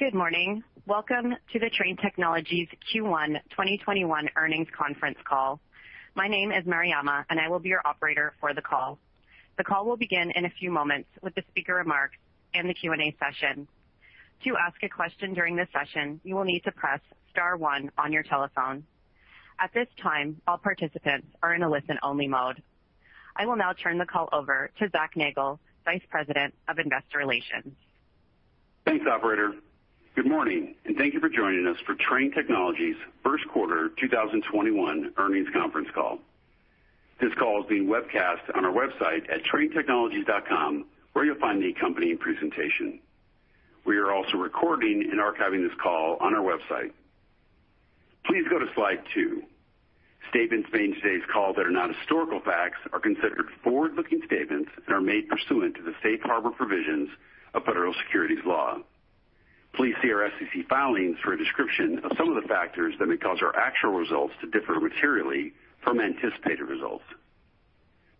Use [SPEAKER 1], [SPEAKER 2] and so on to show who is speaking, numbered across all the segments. [SPEAKER 1] Good morning. Welcome to the Trane Technologies Q1 2021 earnings conference call. My name is Mariama, and I will be your operator for the call. The call will begin in a few moments with the speaker remarks and the Q&A session. To ask a question during this session, you will need to press star one on your telephone. At this time, all participants are in a listen-only mode. I will now turn the call over to Zac Nagle, Vice President of Investor Relations.
[SPEAKER 2] Thanks, operator. Good morning, thank you for joining us for Trane Technologies' first quarter 2021 earnings conference call. This call is being webcast on our website at tranetechnologies.com, where you'll find the accompanying presentation. We are also recording and archiving this call on our website. Please go to slide two. Statements made in today's call that are not historical facts are considered forward-looking statements and are made pursuant to the safe harbor provisions of federal securities law. Please see our SEC filings for a description of some of the factors that may cause our actual results to differ materially from anticipated results.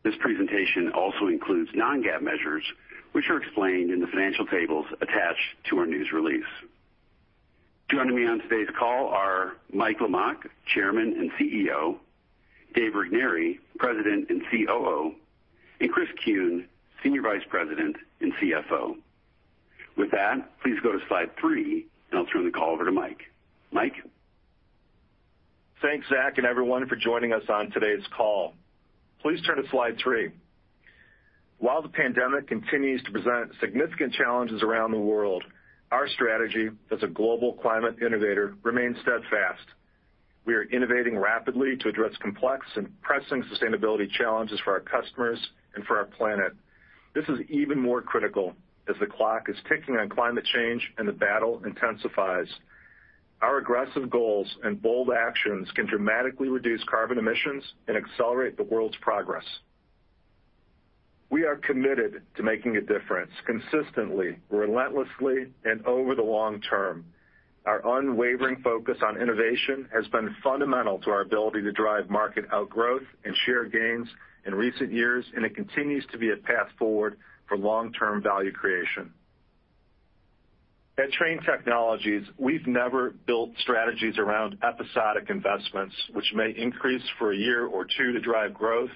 [SPEAKER 2] This presentation also includes non-GAAP measures, which are explained in the financial tables attached to our news release. Joining me on today's call are Mike Lamach, Chairman and CEO; Dave Regnery, President and COO; and Chris Kuehn, Senior Vice President and CFO. With that, please go to Slide three, and I'll turn the call over to Mike. Mike?
[SPEAKER 3] Thanks, Zac, and everyone for joining us on today's call. Please turn to slide three. While the pandemic continues to present significant challenges around the world, our strategy as a global climate innovator remains steadfast. We are innovating rapidly to address complex and pressing sustainability challenges for our customers and for our planet. This is even more critical as the clock is ticking on climate change and the battle intensifies. Our aggressive goals and bold actions can dramatically reduce carbon emissions and accelerate the world's progress. We are committed to making a difference consistently, relentlessly, and over the long term. Our unwavering focus on innovation has been fundamental to our ability to drive market outgrowth and share gains in recent years, and it continues to be a path forward for long-term value creation. At Trane Technologies, we've never built strategies around episodic investments, which may increase for a year or two to drive growth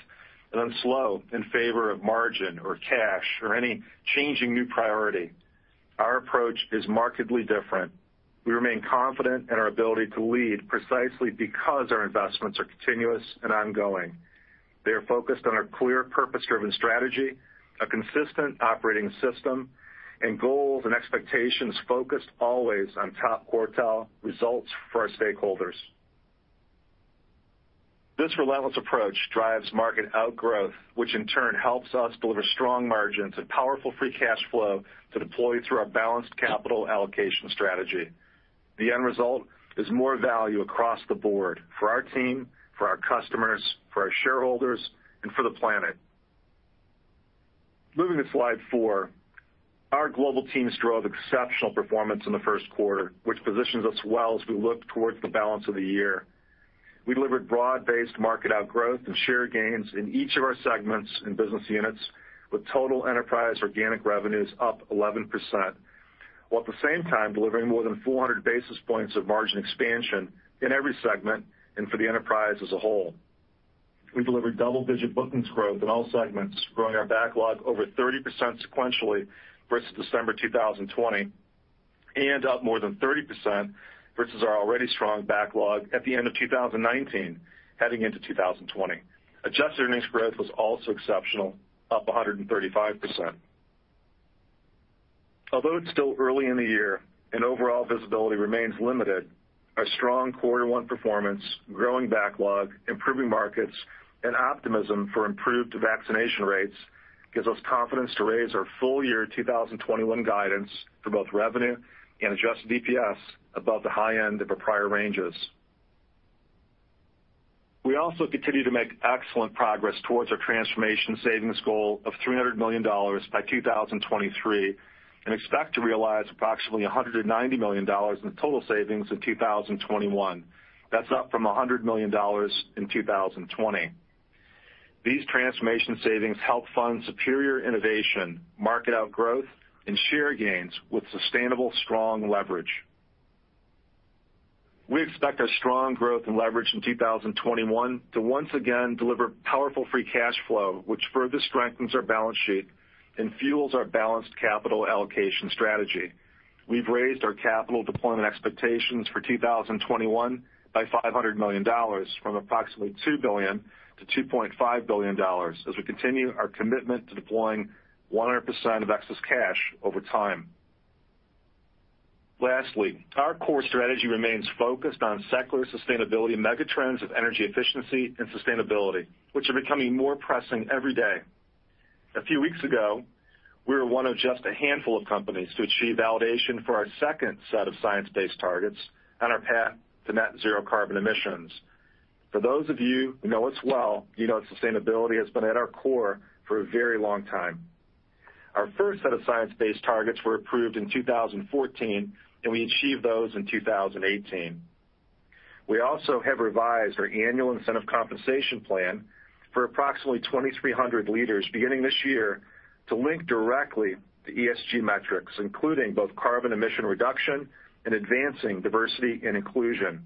[SPEAKER 3] and then slow in favor of margin or cash or any changing new priority. Our approach is markedly different. We remain confident in our ability to lead precisely because our investments are continuous and ongoing. They are focused on a clear purpose-driven strategy, a consistent operating system, and goals and expectations focused always on top quartile results for our stakeholders. This relentless approach drives market outgrowth, which in turn helps us deliver strong margins and powerful free cash flow to deploy through our balanced capital allocation strategy. The end result is more value across the board for our team, for our customers, for our shareholders, and for the planet. Moving to slide four. Our global teams drove exceptional performance in the first quarter, which positions us well as we look towards the balance of the year. We delivered broad-based market outgrowth and share gains in each of our segments and business units, with total enterprise organic revenues up 11%, while at the same time delivering more than 400 basis points of margin expansion in every segment and for the enterprise as a whole. We delivered double-digit bookings growth in all segments, growing our backlog over 30% sequentially versus December 2020, and up more than 30% versus our already strong backlog at the end of 2019 heading into 2020. Adjusted earnings growth was also exceptional, up 135%. Although it's still early in the year and overall visibility remains limited, our strong quarter one performance, growing backlog, improving markets, and optimism for improved vaccination rates gives us confidence to raise our full year 2021 guidance for both revenue and adjusted EPS above the high end of our prior ranges. We also continue to make excellent progress towards our transformation savings goal of $300 million by 2023 and expect to realize approximately $190 million in total savings in 2021. That's up from $100 million in 2020. These transformation savings help fund superior innovation, market outgrowth, and share gains with sustainable strong leverage. We expect our strong growth and leverage in 2021 to once again deliver powerful free cash flow, which further strengthens our balance sheet and fuels our balanced capital allocation strategy. We've raised our capital deployment expectations for 2021 by $500 million, from approximately $2 billion to $2.5 billion as we continue our commitment to deploying 100% of excess cash over time. Lastly, our core strategy remains focused on secular sustainability megatrends of energy efficiency and sustainability, which are becoming more pressing every day.A few weeks ago, we were one of just a handful of companies to achieve validation for our second set of science-based targets on our path to net zero carbon emissions. For those of you who know us well, you know that sustainability has been at our core for a very long time. Our first set of science-based targets were approved in 2014, and we achieved those in 2018. We also have revised our annual incentive compensation plan for approximately 2,300 leaders beginning this year to link directly to ESG metrics, including both carbon emission reduction and advancing diversity and inclusion.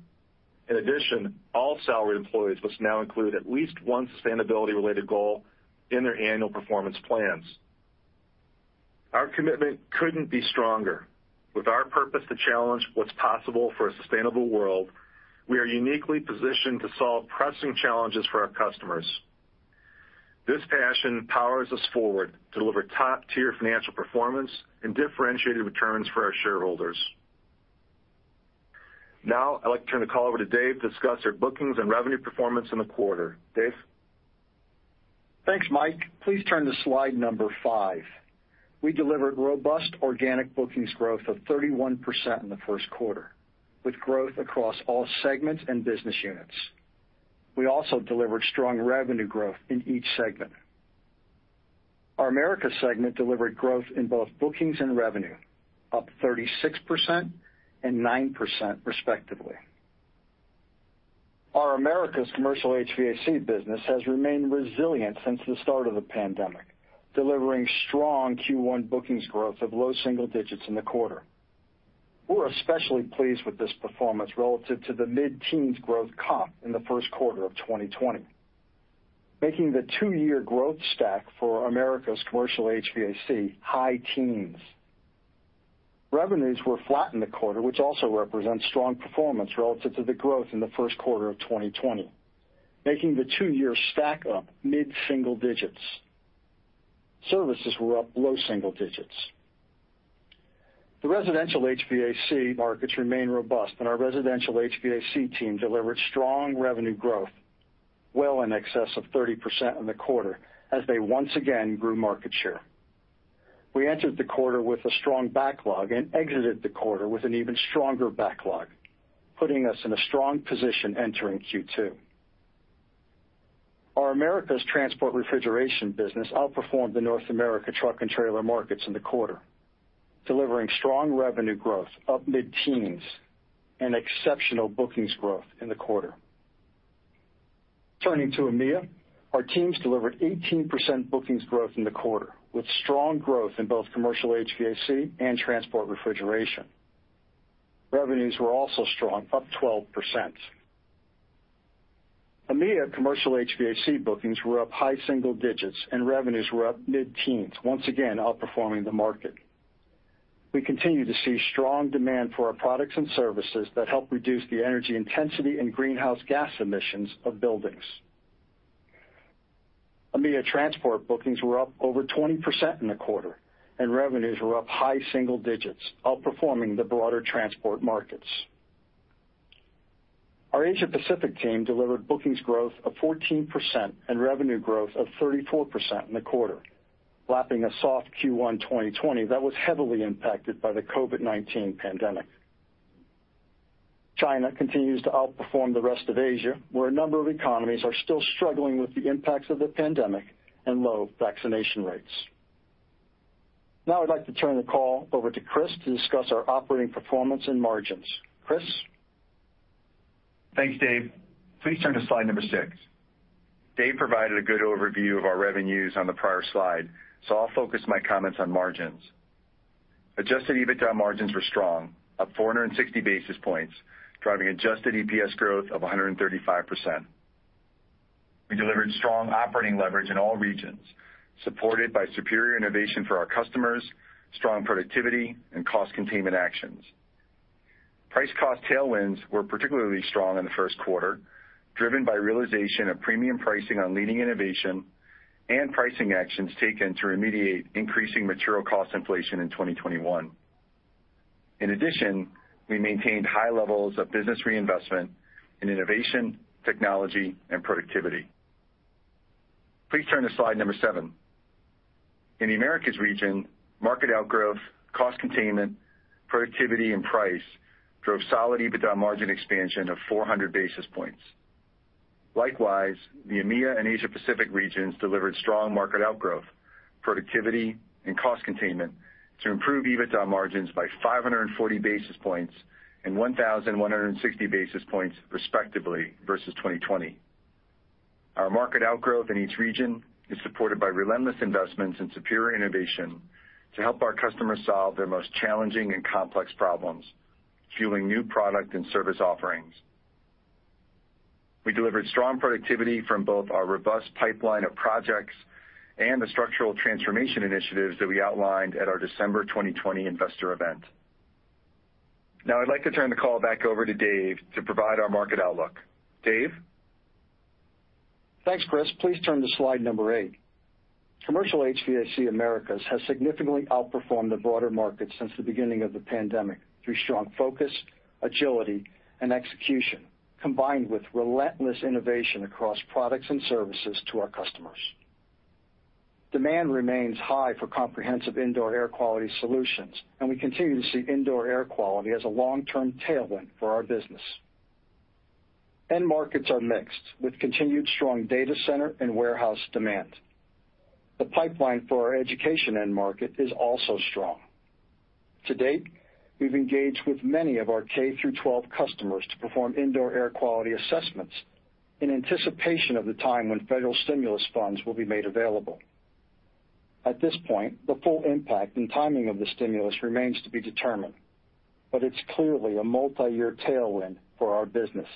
[SPEAKER 3] All salaried employees must now include at least one sustainability-related goal in their annual performance plans. Our commitment couldn't be stronger. With our purpose to challenge what's possible for a sustainable world, we are uniquely positioned to solve pressing challenges for our customers. This passion powers us forward to deliver top-tier financial performance and differentiated returns for our shareholders. I'd like to turn the call over to Dave to discuss our bookings and revenue performance in the quarter. Dave?
[SPEAKER 4] Thanks, Mike. Please turn to slide number five. We delivered robust organic bookings growth of 31% in the first quarter, with growth across all segments and business units. We also delivered strong revenue growth in each segment. Our Americas segment delivered growth in both bookings and revenue, up 36% and 9% respectively. Our Americas commercial HVAC business has remained resilient since the start of the pandemic, delivering strong Q1 bookings growth of low single digits in the quarter. We're especially pleased with this performance relative to the mid-teens growth comp in the first quarter of 2020, making the two-year growth stack for Americas commercial HVAC high teens. Revenues were flat in the quarter, which also represents strong performance relative to the growth in the first quarter of 2020, making the two-year stack up mid-single digits. Services were up low single digits. The residential HVAC markets remain robust, and our residential HVAC team delivered strong revenue growth well in excess of 30% in the quarter as they once again grew market share. We entered the quarter with a strong backlog and exited the quarter with an even stronger backlog, putting us in a strong position entering Q2. Our Americas transport refrigeration business outperformed the North America truck and trailer markets in the quarter, delivering strong revenue growth up mid-teens and exceptional bookings growth in the quarter. Turning to EMEA, our teams delivered 18% bookings growth in the quarter, with strong growth in both commercial HVAC and transport refrigeration. Revenues were also strong, up 12%. EMEA commercial HVAC bookings were up high single digits, and revenues were up mid-teens, once again outperforming the market. We continue to see strong demand for our products and services that help reduce the energy intensity and greenhouse gas emissions of buildings. EMEA transport bookings were up over 20% in the quarter, and revenues were up high single digits, outperforming the broader transport markets. Our Asia Pacific team delivered bookings growth of 14% and revenue growth of 34% in the quarter, lapping a soft Q1 2020 that was heavily impacted by the COVID-19 pandemic. China continues to outperform the rest of Asia, where a number of economies are still struggling with the impacts of the pandemic and low vaccination rates. Now I'd like to turn the call over to Chris to discuss our operating performance and margins. Chris?
[SPEAKER 5] Thanks, Dave. Please turn to slide number six. Dave provided a good overview of our revenues on the prior slide, I'll focus my comments on margins. Adjusted EBITDA margins were strong, up 460 basis points, driving adjusted EPS growth of 135%. We delivered strong operating leverage in all regions, supported by superior innovation for our customers, strong productivity, and cost containment actions. Price-cost tailwinds were particularly strong in the first quarter, driven by realization of premium pricing on leading innovation and pricing actions taken to remediate increasing material cost inflation in 2021. In addition, we maintained high levels of business reinvestment in innovation, technology, and productivity. Please turn to slide number seven. In the Americas region, market outgrowth, cost containment, productivity, and price drove solid EBITDA margin expansion of 400 basis points. Likewise, the EMEA and Asia Pacific regions delivered strong market outgrowth, productivity, and cost containment to improve EBITDA margins by 540 basis points and 1,160 basis points, respectively, versus 2020. Our market outgrowth in each region is supported by relentless investments in superior innovation to help our customers solve their most challenging and complex problems, fueling new product and service offerings. We delivered strong productivity from both our robust pipeline of projects and the structural transformation initiatives that we outlined at our December 2020 investor event. I'd like to turn the call back over to Dave to provide our market outlook. Dave?
[SPEAKER 4] Thanks, Chris. Please turn to slide number eight. Commercial HVAC Americas has significantly outperformed the broader market since the beginning of the pandemic through strong focus, agility, and execution, combined with relentless innovation across products and services to our customers. Demand remains high for comprehensive indoor air quality solutions, and we continue to see Indoor air quality as a long-term tailwind for our business. End markets are mixed, with continued strong data center and warehouse demand. The pipeline for our education end market is also strong. To date, we've engaged with many of our K through 12 customers to perform indoor air quality assessments in anticipation of the time when federal stimulus funds will be made available. At this point, the full impact and timing of the stimulus remains to be determined. It's clearly a multi-year tailwind for our business,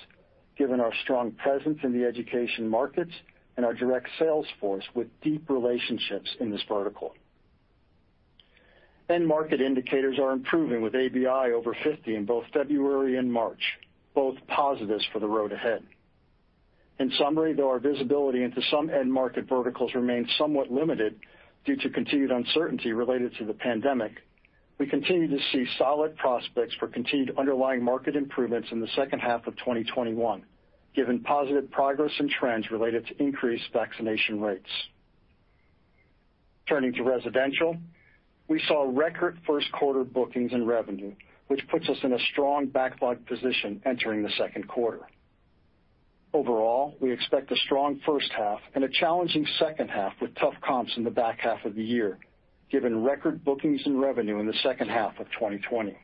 [SPEAKER 4] given our strong presence in the education markets and our direct sales force with deep relationships in this vertical. End market indicators are improving with ABI over 50 in both February and March, both positives for the road ahead. In summary, though our visibility into some end market verticals remains somewhat limited due to continued uncertainty related to the pandemic, we continue to see solid prospects for continued underlying market improvements in the second half of 2021, given positive progress and trends related to increased vaccination rates. Turning to residential, we saw record first quarter bookings and revenue, which puts us in a strong backlog position entering the second quarter. Overall, we expect a strong first half and a challenging second half with tough comps in the back half of the year, given record bookings and revenue in the second half of 2020.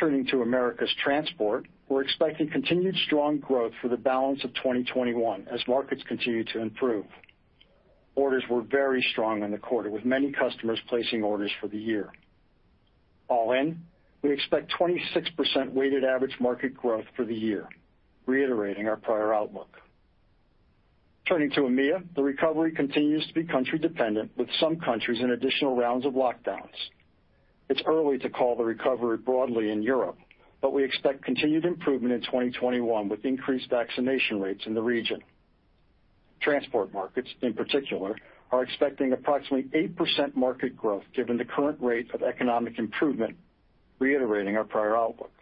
[SPEAKER 4] Turning to Americas Transport, we're expecting continued strong growth for the balance of 2021 as markets continue to improve. Orders were very strong in the quarter, with many customers placing orders for the year. All in, we expect 26% weighted average market growth for the year, reiterating our prior outlook. Turning to EMEA, the recovery continues to be country dependent, with some countries in additional rounds of lockdowns. It's early to call the recovery broadly in Europe. We expect continued improvement in 2021 with increased vaccination rates in the region. Transport markets, in particular, are expecting approximately 8% market growth given the current rate of economic improvement, reiterating our prior outlook.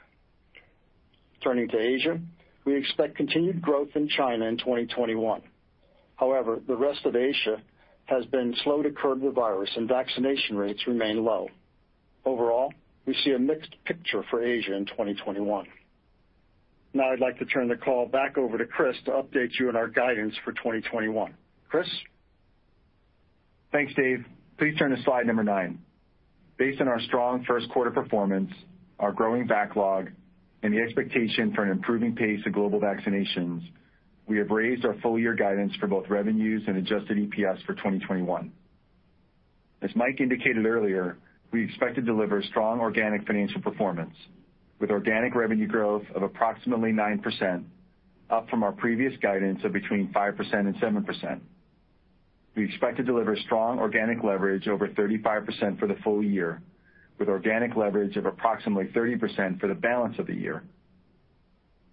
[SPEAKER 4] Turning to Asia, we expect continued growth in China in 2021. The rest of Asia has been slow to curb the virus, and vaccination rates remain low. Overall, we see a mixed picture for Asia in 2021. I'd like to turn the call back over to Chris to update you on our guidance for 2021. Chris?
[SPEAKER 5] Thanks, Dave. Please turn to slide number nine. Based on our strong first quarter performance, our growing backlog, and the expectation for an improving pace of global vaccinations, we have raised our full year guidance for both revenues and adjusted EPS for 2021. As Mike indicated earlier, we expect to deliver strong organic financial performance, with organic revenue growth of approximately 9%, up from our previous guidance of between 5% and 7%. We expect to deliver strong organic leverage over 35% for the full year, with organic leverage of approximately 30% for the balance of the year.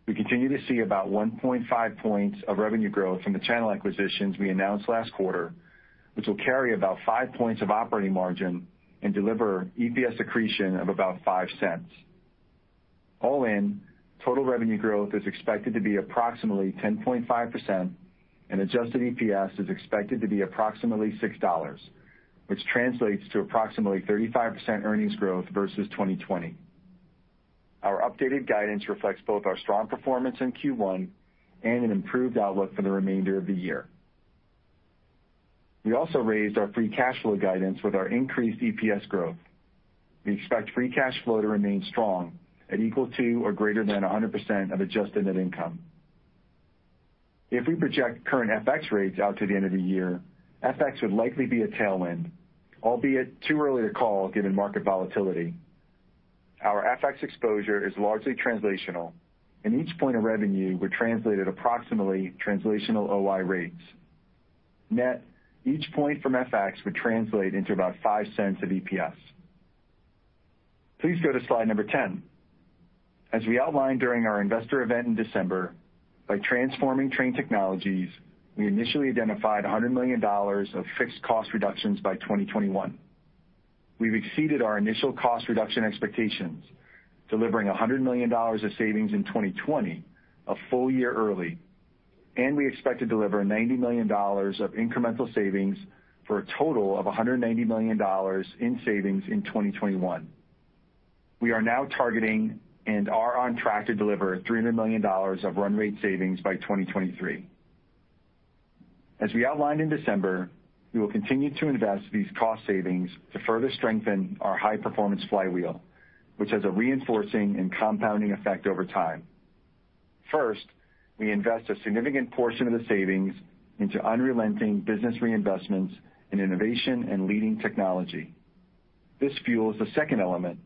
[SPEAKER 5] We continue to see about 1.5 points of revenue growth from the channel acquisitions we announced last quarter, which will carry about five points of operating margin and deliver EPS accretion of about $0.05. All in, total revenue growth is expected to be approximately 10.5%, and adjusted EPS is expected to be approximately $6, which translates to approximately 35% earnings growth versus 2020. Our updated guidance reflects both our strong performance in Q1 and an improved outlook for the remainder of the year. We also raised our free cash flow guidance with our increased EPS growth. We expect free cash flow to remain strong at equal to or greater than 100% of adjusted net income. If we project current FX rates out to the end of the year, FX would likely be a tailwind, albeit too early to call given market volatility. Our FX exposure is largely translational, and each point of revenue would translate at approximately translational OI rates. Net, each point from FX would translate into about $0.05 of EPS. Please go to slide number 10. As we outlined during our investor event in December, by transforming Trane Technologies, we initially identified $100 million of fixed cost reductions by 2021. We've exceeded our initial cost reduction expectations, delivering $100 million of savings in 2020, a full year early. We expect to deliver $90 million of incremental savings for a total of $190 million in savings in 2021. We are now targeting and are on track to deliver $300 million of run rate savings by 2023. As we outlined in December, we will continue to invest these cost savings to further strengthen our high performance flywheel, which has a reinforcing and compounding effect over time. First, we invest a significant portion of the savings into unrelenting business reinvestments in innovation and leading technology. This fuels the second element,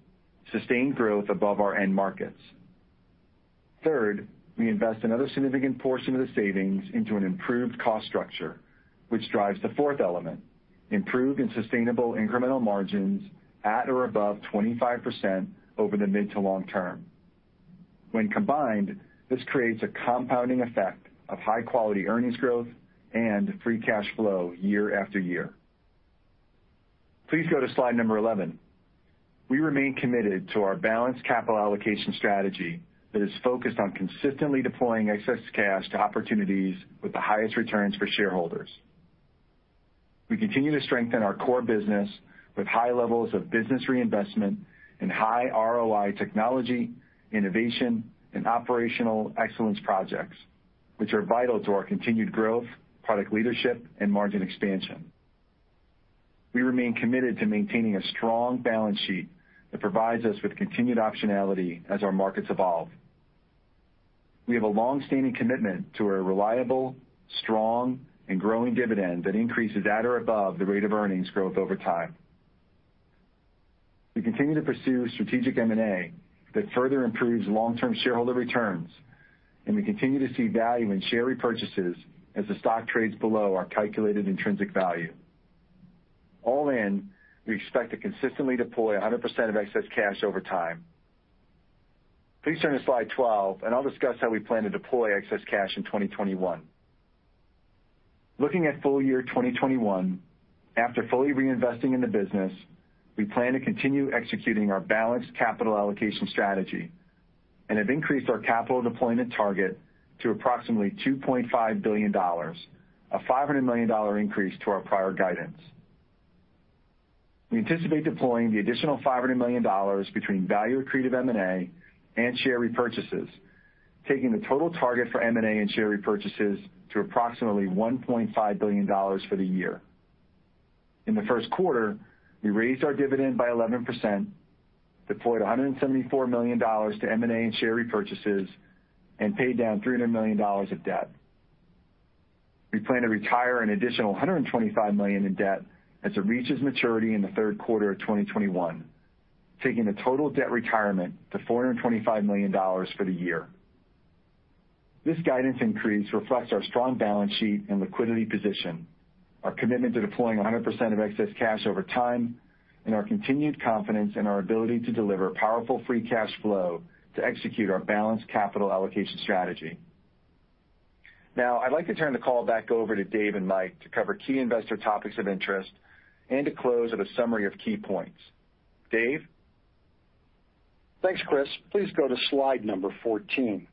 [SPEAKER 5] sustained growth above our end markets. Third, we invest another significant portion of the savings into an improved cost structure, which drives the fourth element, improved and sustainable incremental margins at or above 25% over the mid to long term. When combined, this creates a compounding effect of high-quality earnings growth and free cash flow year after year. Please go to slide number 11. We remain committed to our balanced capital allocation strategy that is focused on consistently deploying excess cash to opportunities with the highest returns for shareholders. We continue to strengthen our core business with high levels of business reinvestment and high ROI technology, innovation, and operational excellence projects, which are vital to our continued growth, product leadership, and margin expansion. We remain committed to maintaining a strong balance sheet that provides us with continued optionality as our markets evolve. We have a longstanding commitment to a reliable, strong, and growing dividend that increases at or above the rate of earnings growth over time. We continue to pursue strategic M&A that further improves long-term shareholder returns, and we continue to see value in share repurchases as the stock trades below our calculated intrinsic value. All in, we expect to consistently deploy 100% of excess cash over time. Please turn to slide 12, and I'll discuss how we plan to deploy excess cash in 2021. Looking at full year 2021, after fully reinvesting in the business, we plan to continue executing our balanced capital allocation strategy and have increased our capital deployment target to approximately $2.5 billion, a $500 million increase to our prior guidance. We anticipate deploying the additional $500 million between value-accretive M&A and share repurchases, taking the total target for M&A and share repurchases to approximately $1.5 billion for the year. In the first quarter, we raised our dividend by 11%, deployed $174 million to M&A and share repurchases, and paid down $300 million of debt. We plan to retire an additional $125 million in debt as it reaches maturity in the third quarter of 2021, taking the total debt retirement to $425 million for the year. This guidance increase reflects our strong balance sheet and liquidity position, our commitment to deploying 100% of excess cash over time, and our continued confidence in our ability to deliver powerful free cash flow to execute our balanced capital allocation strategy. I'd like to turn the call back over to Dave and Mike to cover key investor topics of interest and to close with a summary of key points. Dave?
[SPEAKER 4] Thanks, Chris. Please go to slide number 14.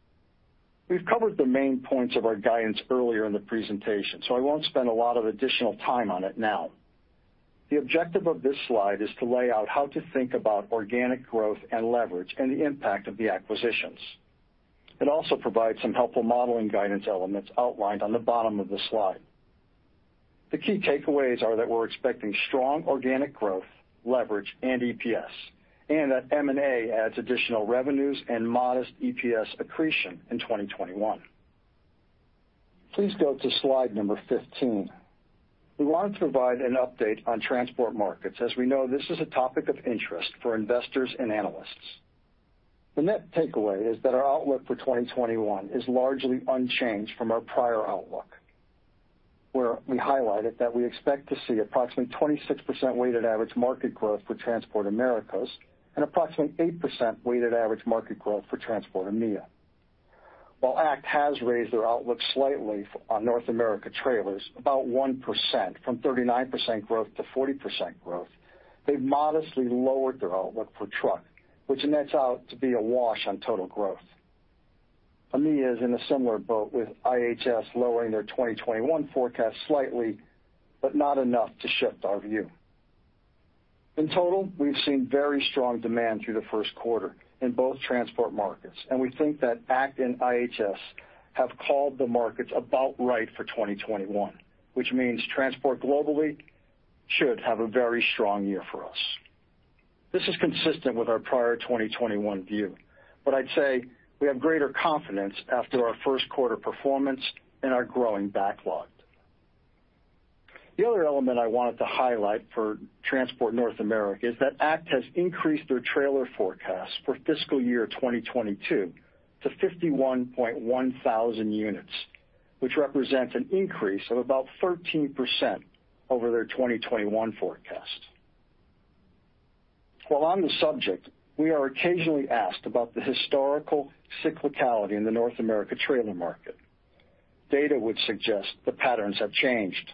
[SPEAKER 4] We've covered the main points of our guidance earlier in the presentation, so I won't spend a lot of additional time on it now. The objective of this slide is to lay out how to think about organic growth and leverage and the impact of the acquisitions. It also provides some helpful modeling guidance elements outlined on the bottom of the slide. The key takeaways are that we're expecting strong organic growth, leverage, and EPS, and that M&A adds additional revenues and modest EPS accretion in 2021. Please go to slide number 15. We want to provide an update on transport markets, as we know this is a topic of interest for investors and analysts. The net takeaway is that our outlook for 2021 is largely unchanged from our prior outlook, where we highlighted that we expect to see approximately 26% weighted average market growth for Transport Americas and approximately 8% weighted average market growth for Transport EMEA. While ACT has raised their outlook slightly on North America trailers, about 1%, from 39% growth to 40% growth, they've modestly lowered their outlook for truck, which nets out to be a wash on total growth. EMEA is in a similar boat, with IHS lowering their 2021 forecast slightly, but not enough to shift our view. In total, we've seen very strong demand through the first quarter in both transport markets, and we think that ACT and IHS have called the markets about right for 2021, which means transport globally should have a very strong year for us. This is consistent with our prior 2021 view. I'd say we have greater confidence after our first quarter performance and our growing backlog. The other element I wanted to highlight for Transport North America is that ACT has increased their trailer forecast for FY 2022 to 51,100 units, which represents an increase of about 13% over their 2021 forecast. While on the subject, we are occasionally asked about the historical cyclicality in the North America trailer market. Data would suggest the patterns have changed.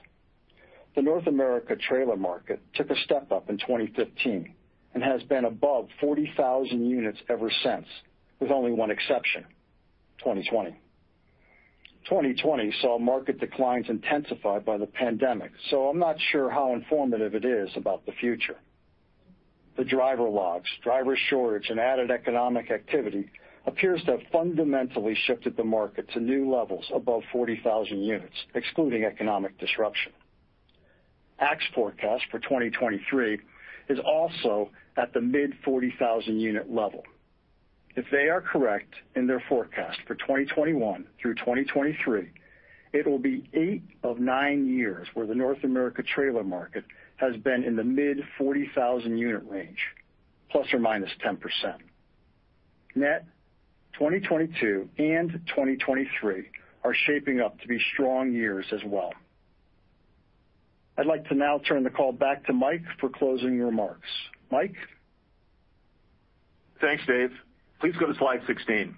[SPEAKER 4] The North America trailer market took a step up in 2015 and has been above 40,000 units ever since, with only one exception: 2020. 2020 saw market declines intensified by the pandemic. I'm not sure how informative it is about the future. The driver logs, driver shortage, and added economic activity appears to have fundamentally shifted the market to new levels above 40,000 units, excluding economic disruption. ACT's forecast for 2023 is also at the mid 40,000 unit level. If they are correct in their forecast for 2021 through 2023, it will be eight of nine years where the North America trailer market has been in the mid 40,000 unit range, +/- 10%. Net, 2022 and 2023 are shaping up to be strong years as well. I'd like to now turn the call back to Mike for closing remarks. Mike?
[SPEAKER 3] Thanks, Dave. Please go to slide 16.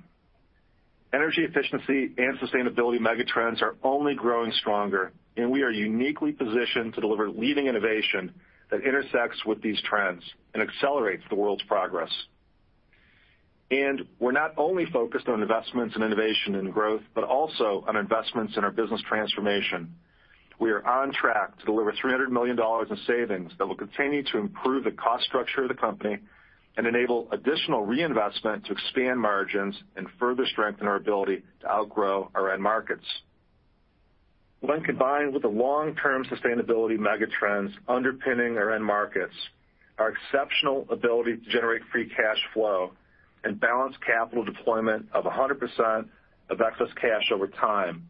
[SPEAKER 3] Energy efficiency and sustainability mega trends are only growing stronger, and we are uniquely positioned to deliver leading innovation that intersects with these trends and accelerates the world's progress. We're not only focused on investments in innovation and growth, but also on investments in our business transformation. We are on track to deliver $300 million in savings that will continue to improve the cost structure of the company and enable additional reinvestment to expand margins and further strengthen our ability to outgrow our end markets. When combined with the long-term sustainability mega trends underpinning our end markets, our exceptional ability to generate free cash flow and balanced capital deployment of 100% of excess cash over time,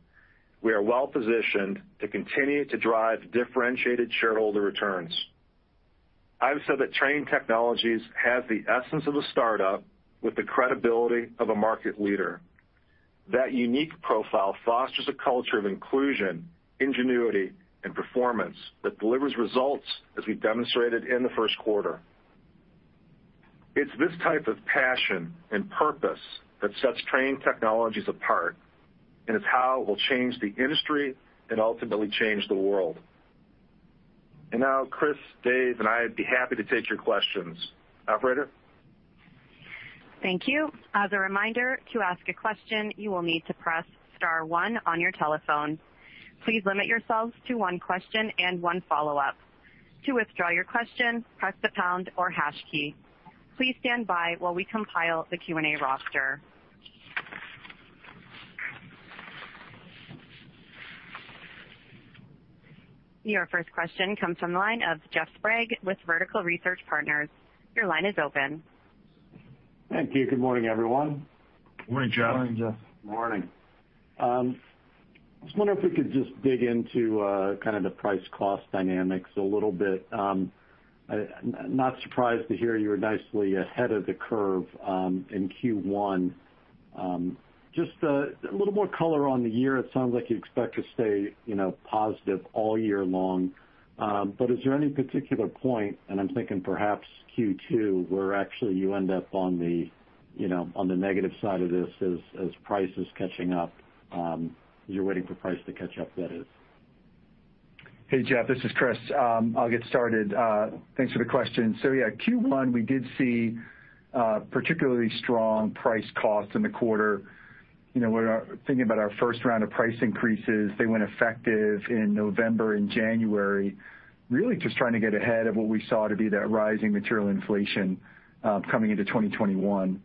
[SPEAKER 3] we are well-positioned to continue to drive differentiated shareholder returns. I've said that Trane Technologies has the essence of a startup with the credibility of a market leader. That unique profile fosters a culture of inclusion, ingenuity, and performance that delivers results as we demonstrated in the first quarter. It's this type of passion and purpose that sets Trane Technologies apart, and it's how it will change the industry and ultimately change the world. Now, Chris, Dave, and I'd be happy to take your questions. Operator?
[SPEAKER 1] Thank you. As a reminder, to ask a question, you will need to press star one on your telephone. Please limit yourselves to one question and one follow-up. To withdraw your question, press the pound or hash key. Please stand by while we compile the Q&A roster. Your first question comes from the line of Jeff Sprague with Vertical Research Partners. Your line is open.
[SPEAKER 6] Thank you. Good morning, everyone.
[SPEAKER 3] Morning, Jeff.
[SPEAKER 5] Morning, Jeff.
[SPEAKER 6] Morning. I was wondering if we could just dig into kind of the price-cost dynamics a little bit. I'm not surprised to hear you're nicely ahead of the curve in Q1. Just a little more color on the year, it sounds like you expect to stay positive all year long. Is there any particular point, and I'm thinking perhaps Q2, where actually you end up on the negative side of this as price is catching up, you're waiting for price to catch up, that is?
[SPEAKER 5] Hey, Jeff, this is Chris. I'll get started. Thanks for the question. Yeah, Q1, we did see particularly strong price cost in the quarter. Thinking about our first round of price increases, they went effective in November and January, really just trying to get ahead of what we saw to be that rising material inflation coming into 2021.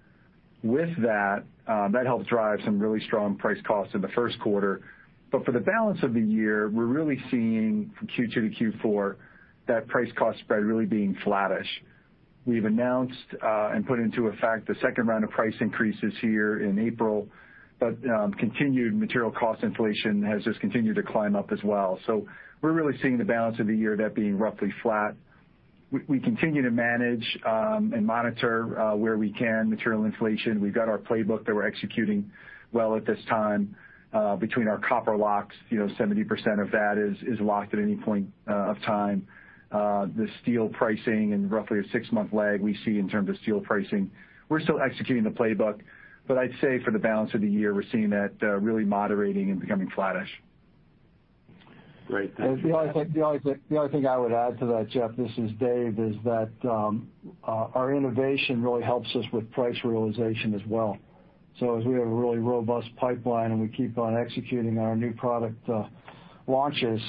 [SPEAKER 5] With that helped drive some really strong price cost in the first quarter. For the balance of the year, we're really seeing from Q2 to Q4, that price cost spread really being flattish. We've announced and put into effect the second round of price increases here in April, but continued material cost inflation has just continued to climb up as well. We're really seeing the balance of the year, that being roughly flat. We continue to manage and monitor where we can material inflation. We've got our playbook that we're executing well at this time between our copper locks, 70% of that is locked at any point of time. The steel pricing and roughly a six-month lag we see in terms of steel pricing. We're still executing the playbook, but I'd say for the balance of the year, we're seeing that really moderating and becoming flattish.
[SPEAKER 6] Great. Thank you.
[SPEAKER 4] The only thing I would add to that, Jeff, this is Dave, is that our innovation really helps us with price realization as well. As we have a really robust pipeline, and we keep on executing our new product launches,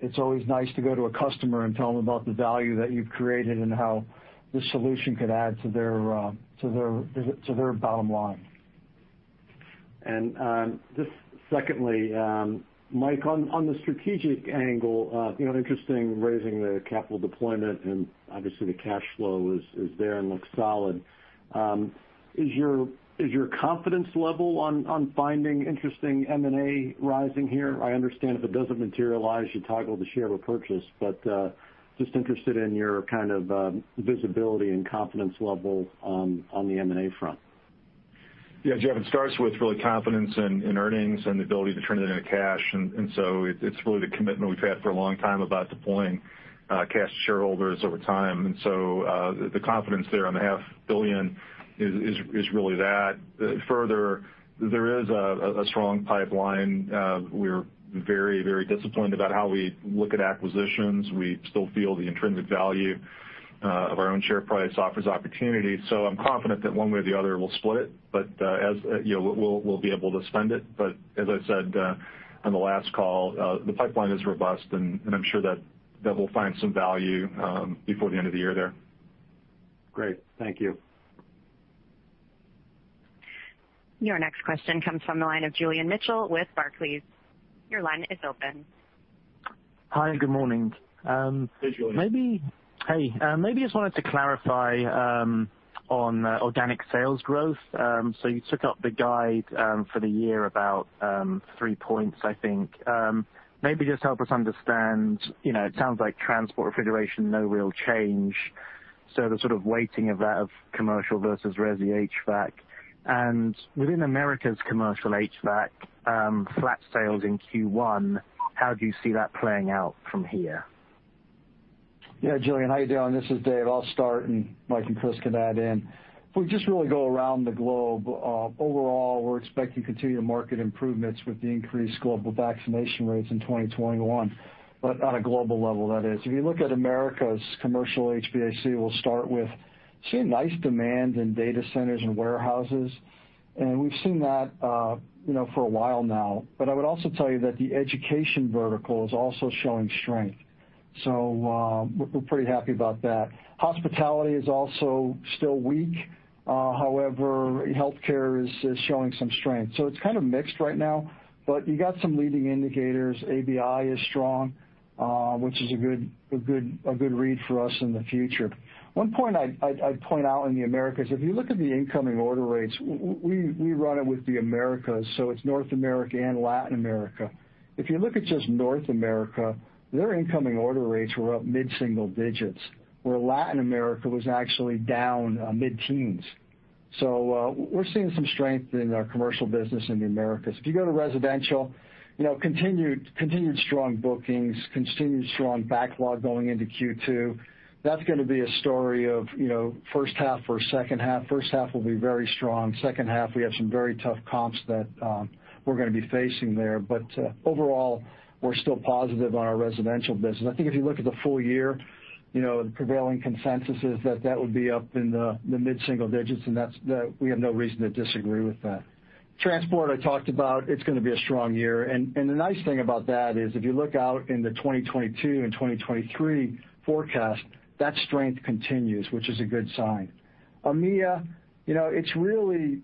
[SPEAKER 4] it's always nice to go to a customer and tell them about the value that you've created and how this solution could add to their bottom line.
[SPEAKER 6] Just secondly, Mike, on the strategic angle, interesting raising the capital deployment, and obviously, the cash flow is there and looks solid. Is your confidence level on finding interesting M&A rising here? I understand if it doesn't materialize, you toggle the share repurchase. Just interested in your kind of visibility and confidence level on the M&A front.
[SPEAKER 3] Yeah, Jeff, it starts with really confidence in earnings and the ability to turn it into cash. It's really the commitment we've had for a long time about deploying cash to shareholders over time. The confidence there on the $half billion is really that. Further, there is a strong pipeline. We're very disciplined about how we look at acquisitions. We still feel the intrinsic value of our own share price offers opportunity. I'm confident that one way or the other, we'll split it. We'll be able to spend it. As I said on the last call, the pipeline is robust, and I'm sure that we'll find some value before the end of the year there.
[SPEAKER 6] Great. Thank you.
[SPEAKER 1] Your next question comes from the line of Julian Mitchell with Barclays. Your line is open.
[SPEAKER 7] Hi, good morning.
[SPEAKER 3] Hey, Julian.
[SPEAKER 7] Hey. Maybe just wanted to clarify on organic sales growth. You took up the guide for the year about three points, I think. Maybe just help us understand, it sounds like transport refrigeration, no real change. The sort of weighting of that of commercial versus resi HVAC. Within Americas commercial HVAC, flat sales in Q1, how do you see that playing out from here?
[SPEAKER 4] Yeah, Julian, how you doing? This is Dave. I'll start and Mike and Chris can add in. If we just really go around the globe, overall, we're expecting continued market improvements with the increased global vaccination rates in 2021. On a global level, that is. If you look at Americas commercial HVAC, we'll start with seeing nice demand in data centers and warehouses. We've seen that for a while now. I would also tell you that the education vertical is also showing strength. We're pretty happy about that. Hospitality is also still weak. Healthcare is showing some strength. It's kind of mixed right now, but you got some leading indicators. ABI is strong, which is a good read for us in the future. One point I'd point out in the Americas, if you look at the incoming order rates, we run it with the Americas, so it's North America and Latin America. If you look at just North America, their incoming order rates were up mid-single digits, where Latin America was actually down mid-teens. We're seeing some strength in our commercial business in the Americas. If you go to residential, continued strong bookings, continued strong backlog going into Q2. That's going to be a story of first half versus second half. First half will be very strong. Second half, we have some very tough comps that we're going to be facing there. Overall, we're still positive on our residential business. I think if you look at the full year, the prevailing consensus is that that would be up in the mid-single digits, and we have no reason to disagree with that. Transport I talked about, it's going to be a strong year. The nice thing about that is if you look out into 2022 and 2023 forecast, that strength continues, which is a good sign. EMEA, it's really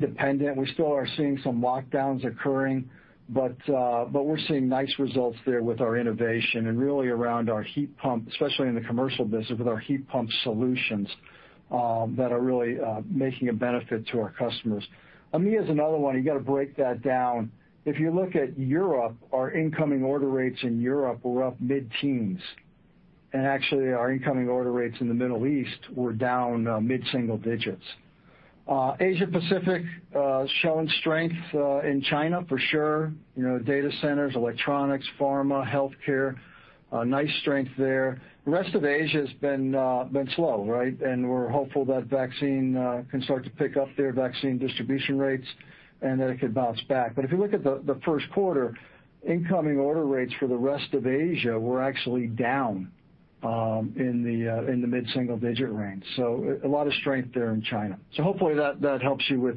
[SPEAKER 4] dependent. We still are seeing some lockdowns occurring, but we're seeing nice results there with our innovation and really around our heat pump, especially in the commercial business with our heat pump solutions, that are really making a benefit to our customers. EMEA is another one, you got to break that down. If you look at Europe, our incoming order rates in Europe were up mid-teens, and actually our incoming order rates in the Middle East were down mid-single digits. Asia Pacific, showing strength in China for sure. Data centers, electronics, pharma, healthcare, nice strength there. The rest of Asia has been slow. We're hopeful that vaccine can start to pick up their vaccine distribution rates and that it could bounce back. If you look at the first quarter, incoming order rates for the rest of Asia were actually down in the mid-single digit range. A lot of strength there in China. Hopefully that helps you with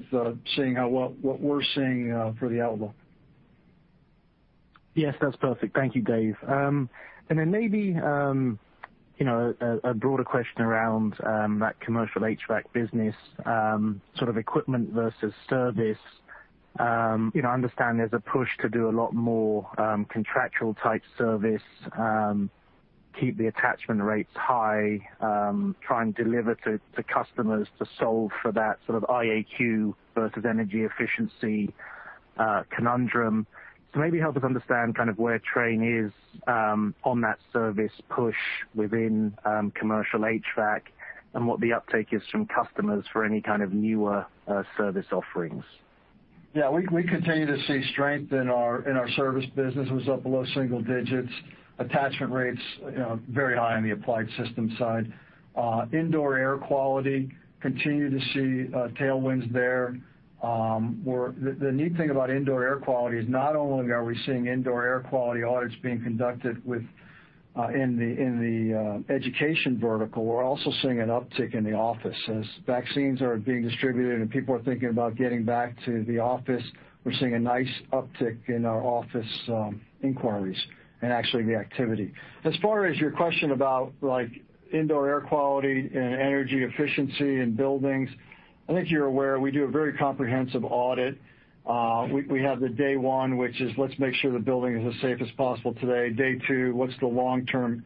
[SPEAKER 4] seeing what we're seeing for the outlook.
[SPEAKER 7] Yes, that's perfect. Thank you, Dave. Maybe a broader question around that commercial HVAC business, sort of equipment versus service. I understand there's a push to do a lot more contractual type service, keep the attachment rates high, try and deliver to customers to solve for that sort of IAQ versus energy efficiency conundrum. Maybe help us understand kind of where Trane is on that service push within commercial HVAC and what the uptake is from customers for any kind of newer service offerings.
[SPEAKER 4] Yeah. We continue to see strength in our service business. It was up low single digits. Attachment rates very high on the applied systems side. Indoor air quality, continue to see tailwinds there. The neat thing about Indoor air quality is not only are we seeing Indoor air quality audits being conducted in the education vertical, we're also seeing an uptick in the office. As vaccines are being distributed and people are thinking about getting back to the office, we're seeing a nice uptick in our office inquiries and actually the activity. As far as your question about Indoor air quality and energy efficiency in buildings, I think you're aware we do a very comprehensive audit. We have the day one, which is let's make sure the building is as safe as possible today. Day two, what's the long-term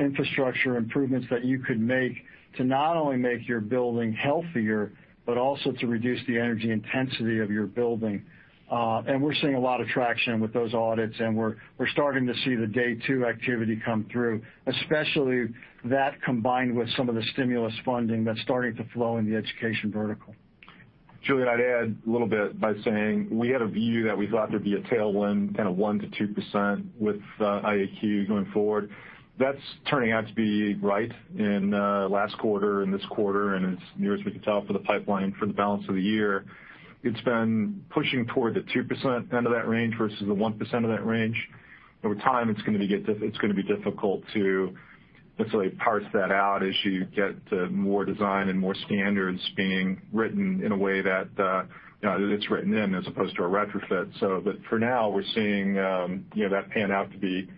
[SPEAKER 4] infrastructure improvements that you could make to not only make your building healthier, but also to reduce the energy intensity of your building? We're seeing a lot of traction with those audits, and we're starting to see the day two activity come through, especially that combined with some of the stimulus funding that's starting to flow in the education vertical.
[SPEAKER 3] Julian, I'd add a little bit by saying we had a view that I thought there'd be a tailwind, kind of 1%-2% with IAQ going forward. That's turning out to be right in last quarter and this quarter, as near as we can tell for the pipeline for the balance of the year. It's been pushing toward the 2% end of that range versus the 1% end of that range. Over time, it's going to be difficult to necessarily parse that out as you get to more design and more standards being written in a way that it's written in as opposed to a retrofit. For now, we're seeing that pan out to be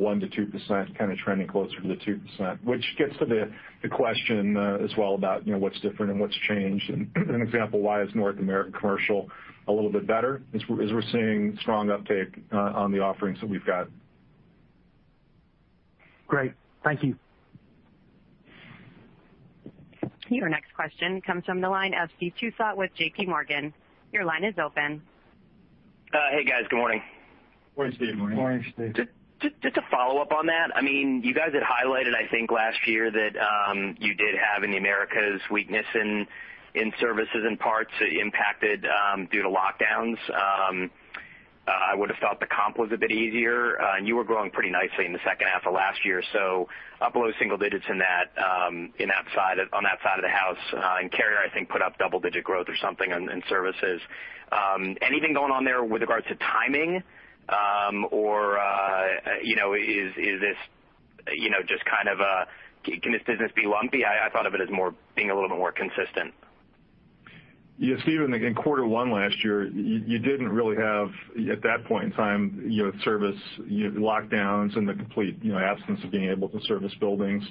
[SPEAKER 3] 1%-2%, kind of trending closer to the 2%, which gets to the question as well about what's different and what's changed. An example, why is North American Commercial a little bit better? Is we're seeing strong uptake on the offerings that we've got.
[SPEAKER 7] Great. Thank you.
[SPEAKER 1] Your next question comes from the line of Steve Tusa with JPMorgan. Your line is open.
[SPEAKER 8] Hey, guys. Good morning.
[SPEAKER 4] Morning, Steve.
[SPEAKER 3] Morning.
[SPEAKER 5] Morning, Steve.
[SPEAKER 8] Just to follow up on that, you guys had highlighted, I think, last year that you did have in the Americas weakness in services and parts impacted due to lockdowns. I would've thought the comp was a bit easier. You were growing pretty nicely in the second half of last year, up low single digits on that side of the house. Carrier, I think, put up double-digit growth or something in services. Anything going on there with regards to timing? Is this just kind of a Can this business be lumpy? I thought of it as being a little bit more consistent.
[SPEAKER 3] Yeah, Steve, in Quarter One last year, you didn't really have, at that point in time, service lockdowns and the complete absence of being able to service buildings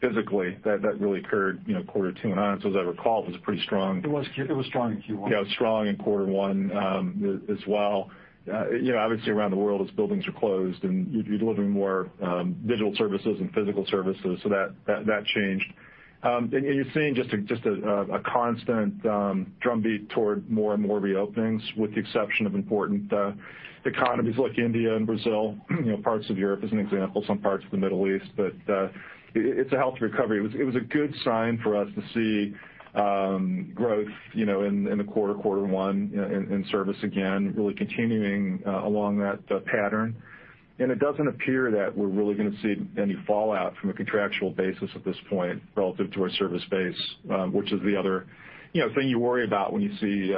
[SPEAKER 3] physically. That really occurred Quarter Two and on. As I recall, it was pretty strong.
[SPEAKER 4] It was strong in Q1.
[SPEAKER 3] Yeah, it was strong in Quarter One as well. Obviously, around the world, buildings are closed, and you're delivering more digital services than physical services, so that changed. You're seeing just a constant drumbeat toward more and more reopenings, with the exception of important economies like India and Brazil, parts of Europe as an example, some parts of the Middle East. But it's a healthy recovery. It was a good sign for us to see growth in the quarter, Quarter One, in service again, really continuing along that pattern. It doesn't appear that we're really going to see any fallout from a contractual basis at this point relative to our service base, which is the other thing you worry about when you see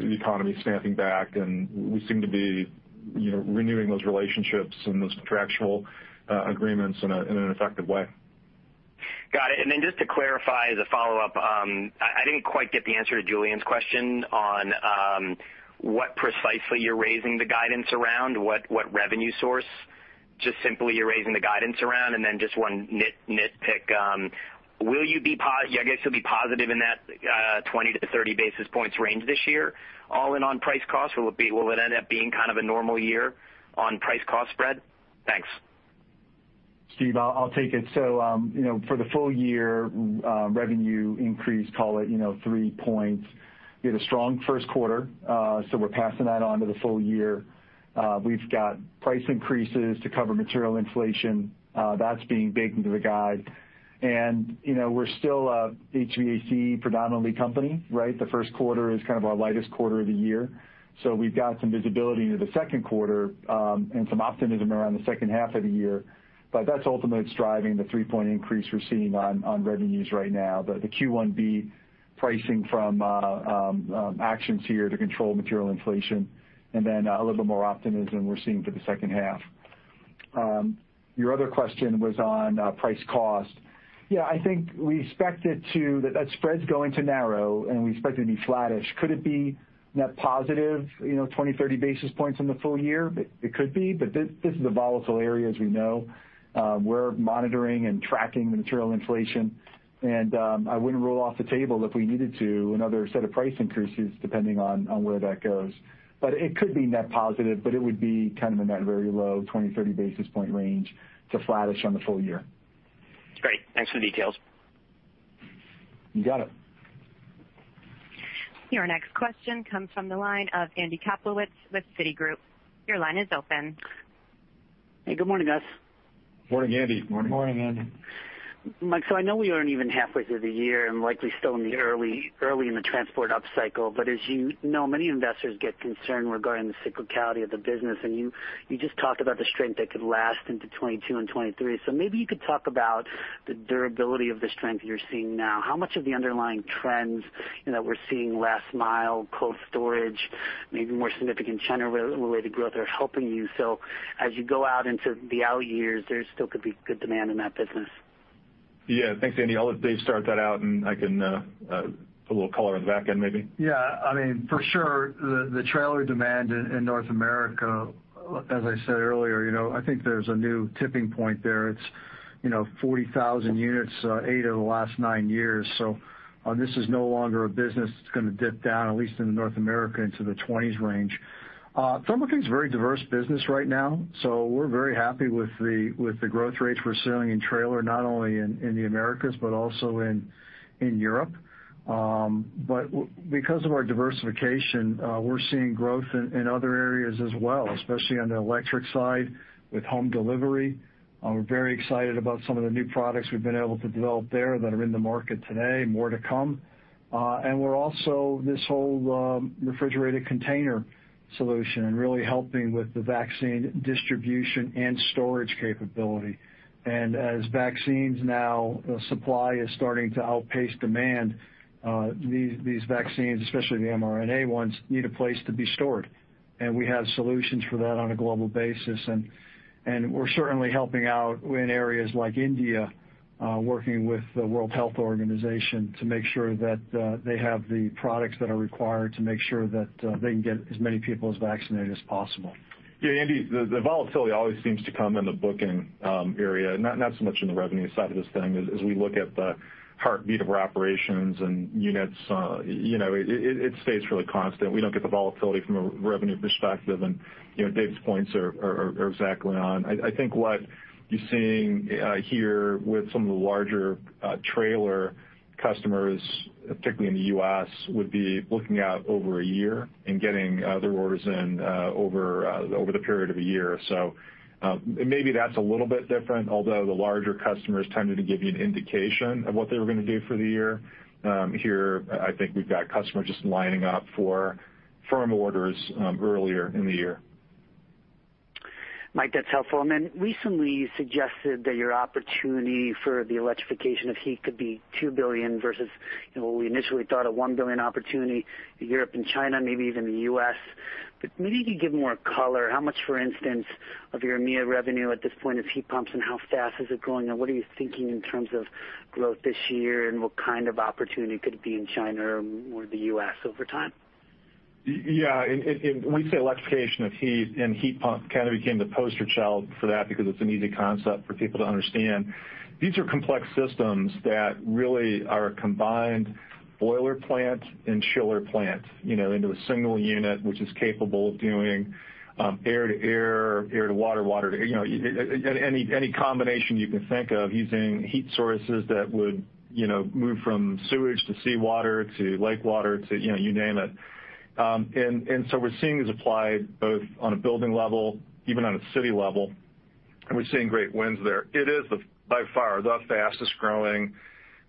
[SPEAKER 3] the economy snapping back, and we seem to be renewing those relationships and those contractual agreements in an effective way.
[SPEAKER 8] Got it. Just to clarify as a follow-up, I didn't quite get the answer to Julian's question on what precisely you're raising the guidance around, what revenue source just simply you're raising the guidance around. Just one nitpick, I guess you'll be positive in that 20-30 basis points range this year all-in on price cost? Or will it end up being kind of a normal year on price cost spread? Thanks.
[SPEAKER 5] Steve, I'll take it. For the full year revenue increase, call it three points. You had a strong first quarter, we're passing that on to the full year. We've got price increases to cover material inflation. That's being baked into the guide. We're still a HVAC predominantly company, right? The first quarter is kind of our lightest quarter of the year. We've got some visibility into the second quarter, and some optimism around the second half of the year. That's ultimately what's driving the three-point increase we're seeing on revenues right now. The Q1 beat pricing from actions here to control material inflation, a little bit more optimism we're seeing for the second half. Your other question was on price cost. Yeah, I think that spread's going to narrow, we expect it to be flattish. Could it be net positive 20, 30 basis points in the full year? It could be, but this is a volatile area, as we know. We're monitoring and tracking the material inflation. I wouldn't rule off the table if we needed to, another set of price increases depending on where that goes. It could be net positive, but it would be kind of in that very low 20, 30 basis point range to flattish on the full year.
[SPEAKER 8] Great. Thanks for the details.
[SPEAKER 5] You got it.
[SPEAKER 1] Your next question comes from the line of Andy Kaplowitz with Citigroup. Your line is open.
[SPEAKER 9] Hey, good morning, guys.
[SPEAKER 3] Morning, Andy.
[SPEAKER 4] Morning.
[SPEAKER 5] Morning, Andy.
[SPEAKER 9] Mike, I know we aren't even halfway through the year and likely still early in the transport upcycle, but as you know, many investors get concerned regarding the cyclicality of the business, and you just talked about the strength that could last into 2022 and 2023. Maybe you could talk about the durability of the strength you're seeing now. How much of the underlying trends that we're seeing, last mile, cold storage, maybe more significant China-related growth are helping you so as you go out into the out years, there still could be good demand in that business?
[SPEAKER 3] Yeah. Thanks, Andy. I'll let Dave start that out, and I can put a little color on the back end maybe.
[SPEAKER 4] For sure, the trailer demand in North America, as I said earlier, I think there is a new tipping point there. It's 40,000 units, eight of the last nine years. This is no longer a business that's going to dip down, at least in North America, into the 20s range. Thermo King's a very diverse business right now, we're very happy with the growth rates we're seeing in trailer, not only in the Americas, but also in Europe. Because of our diversification, we're seeing growth in other areas as well, especially on the electric side with home delivery. We're very excited about some of the new products we've been able to develop there that are in the market today. More to come. We're also, this whole refrigerated container solution and really helping with the vaccine distribution and storage capability. As vaccines now, the supply is starting to outpace demand, these vaccines, especially the mRNA ones, need a place to be stored. We have solutions for that on a global basis. We're certainly helping out in areas like India, working with the World Health Organization to make sure that they have the products that are required to make sure that they can get as many people as vaccinated as possible.
[SPEAKER 3] Yeah, Andy, the volatility always seems to come in the booking area, not so much in the revenue side of this thing. As we look at the heartbeat of our operations and units, it stays really constant. We don't get the volatility from a revenue perspective. Dave's points are exactly on. I think what you're seeing here with some of the larger trailer customers, particularly in the U.S., would be looking out over a year and getting their orders in over the period of a year. Maybe that's a little bit different, although the larger customers tended to give you an indication of what they were going to do for the year. Here, I think we've got customers just lining up for firm orders earlier in the year.
[SPEAKER 9] Mike, that's helpful. Recently, you suggested that your opportunity for the electrification of heat could be $2 billion versus what we initially thought, a $1 billion opportunity to Europe and China, maybe even the U.S. Maybe you could give more color. How much, for instance, of your EMEA revenue at this point is heat pumps, and how fast is it growing? What are you thinking in terms of growth this year, and what kind of opportunity could it be in China or the U.S. over time?
[SPEAKER 3] Yeah. We say electrification of heat pump kind of became the poster child for that because it's an easy concept for people to understand. These are complex systems that really are a combined boiler plant and chiller plant into a single unit, which is capable of doing air-to-air, air-to-water, water-to Any combination you can think of using heat sources that would move from sewage to seawater to lake water to you name it. We're seeing this applied both on a building level, even on a city level, and we're seeing great wins there. It is by far the fastest growing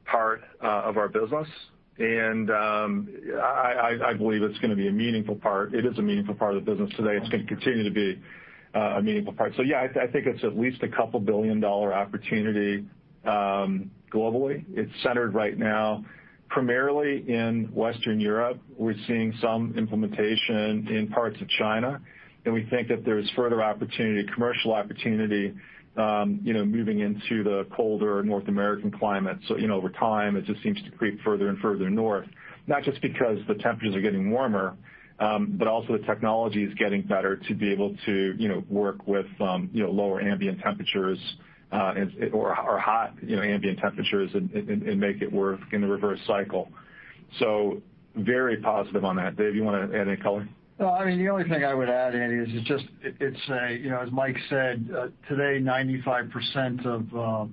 [SPEAKER 3] part of our business, and I believe it's going to be a meaningful part. It is a meaningful part of the business today. It's going to continue to be a meaningful part. Yeah, I think it's at least a couple billion-dollar opportunity globally. It's centered right now primarily in Western Europe. We're seeing some implementation in parts of China, we think that there's further opportunity, commercial opportunity, moving into the colder North American climate. Over time, it just seems to creep further and further north, not just because the temperatures are getting warmer, but also the technology is getting better to be able to work with lower ambient temperatures or hot ambient temperatures and make it work in the reverse cycle. Very positive on that. Dave, you want to add any color?
[SPEAKER 4] No. The only thing I would add, Andrew Kaplowitz, is it's, as Mike Lamach said, today, 95%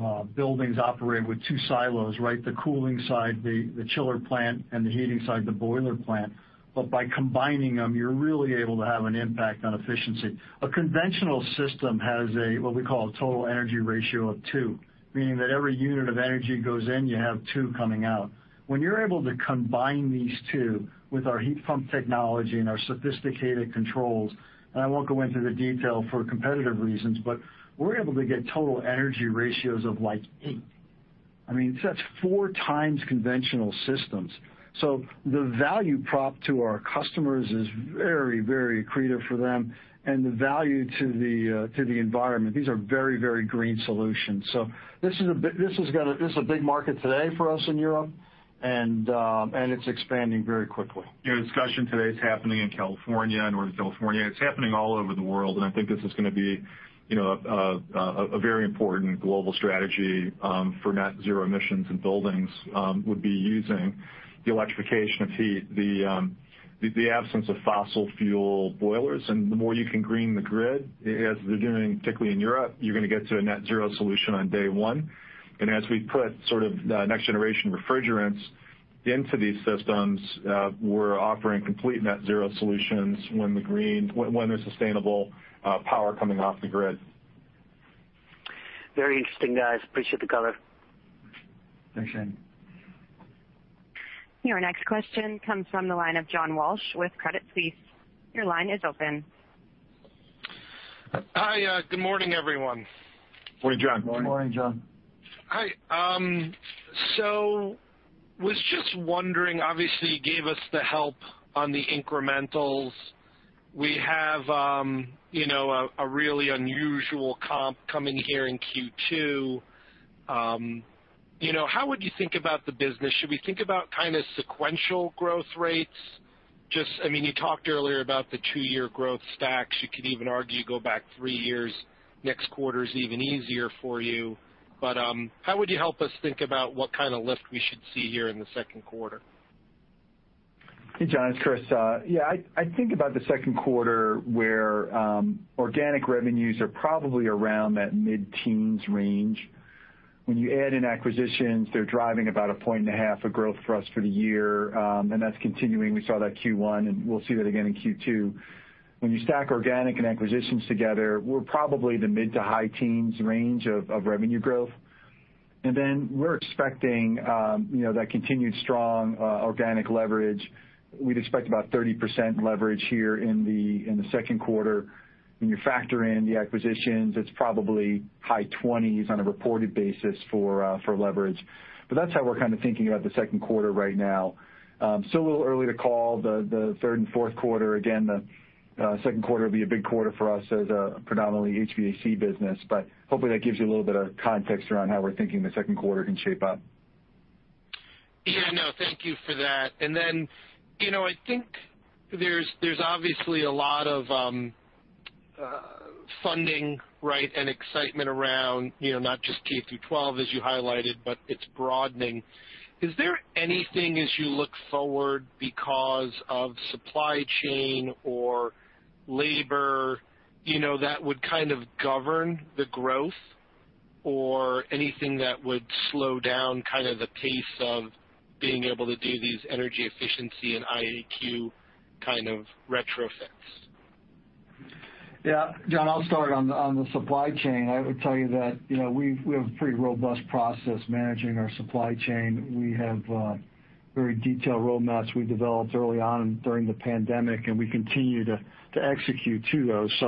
[SPEAKER 4] of buildings operate with two silos, right? The cooling side, the chiller plant, and the heating side, the boiler plant. By combining them, you're really able to have an impact on efficiency. A conventional system has what we call a total energy ratio of two, meaning that every unit of energy goes in, you have two coming out. When you're able to combine these two with our heat pump technology and our sophisticated controls, and I won't go into the detail for competitive reasons, but we're able to get total energy ratios of like eight. That's four times conventional systems. The value prop to our customers is very creative for them and the value to the environment. These are very green solutions. This is a big market today for us in Europe, and it's expanding very quickly.
[SPEAKER 3] The discussion today is happening in California, Northern California. It's happening all over the world. I think this is going to be a very important global strategy for net zero emissions in buildings, would be using the electrification of heat, the absence of fossil fuel boilers. The more you can green the grid, as they're doing, particularly in Europe, you're going to get to a net zero solution on day one. As we put next generation refrigerants into these systems, we're offering complete net zero solutions when there's sustainable power coming off the grid.
[SPEAKER 9] Very interesting, guys. Appreciate the color.
[SPEAKER 4] Thanks, Andy.
[SPEAKER 1] Your next question comes from the line of John Walsh with Credit Suisse. Your line is open.
[SPEAKER 10] Hi. Good morning, everyone.
[SPEAKER 3] Morning, John.
[SPEAKER 4] Good morning.
[SPEAKER 5] Morning, John.
[SPEAKER 10] Hi. Was just wondering, obviously, you gave us the help on the incrementals. We have a really unusual comp coming here in Q2. How would you think about the business? Should we think about sequential growth rates? You talked earlier about the two-year growth stacks. You could even argue go back three years. Next quarter is even easier for you. How would you help us think about what kind of lift we should see here in the second quarter?
[SPEAKER 5] Hey, John, it's Chris. I think about the second quarter where organic revenues are probably around that mid-teens range. When you add in acquisitions, they're driving about a point and a half of growth for us for the year, and that's continuing. We saw that Q1, and we'll see that again in Q2. When you stack organic and acquisitions together, we're probably the mid to high teens range of revenue growth. We're expecting that continued strong organic leverage. We'd expect about 30% leverage here in the second quarter. When you factor in the acquisitions, it's probably high 20s on a reported basis for leverage. That's how we're kind of thinking about the second quarter right now. Still a little early to call the third and fourth quarter. Again, the second quarter will be a big quarter for us as a predominantly HVAC business. Hopefully, that gives you a little bit of context around how we're thinking the second quarter can shape up.
[SPEAKER 10] Yeah, no, thank you for that. I think there's obviously a lot of funding and excitement around not just K through 12, as you highlighted, but it's broadening. Is there anything as you look forward because of supply chain or labor that would kind of govern the growth or anything that would slow down the pace of being able to do these energy efficiency and IAQ kind of retrofits?
[SPEAKER 4] Yeah, John, I'll start on the supply chain. I would tell you that we have a pretty robust process managing our supply chain. We have very detailed roadmaps we developed early on during the pandemic, and we continue to execute to those.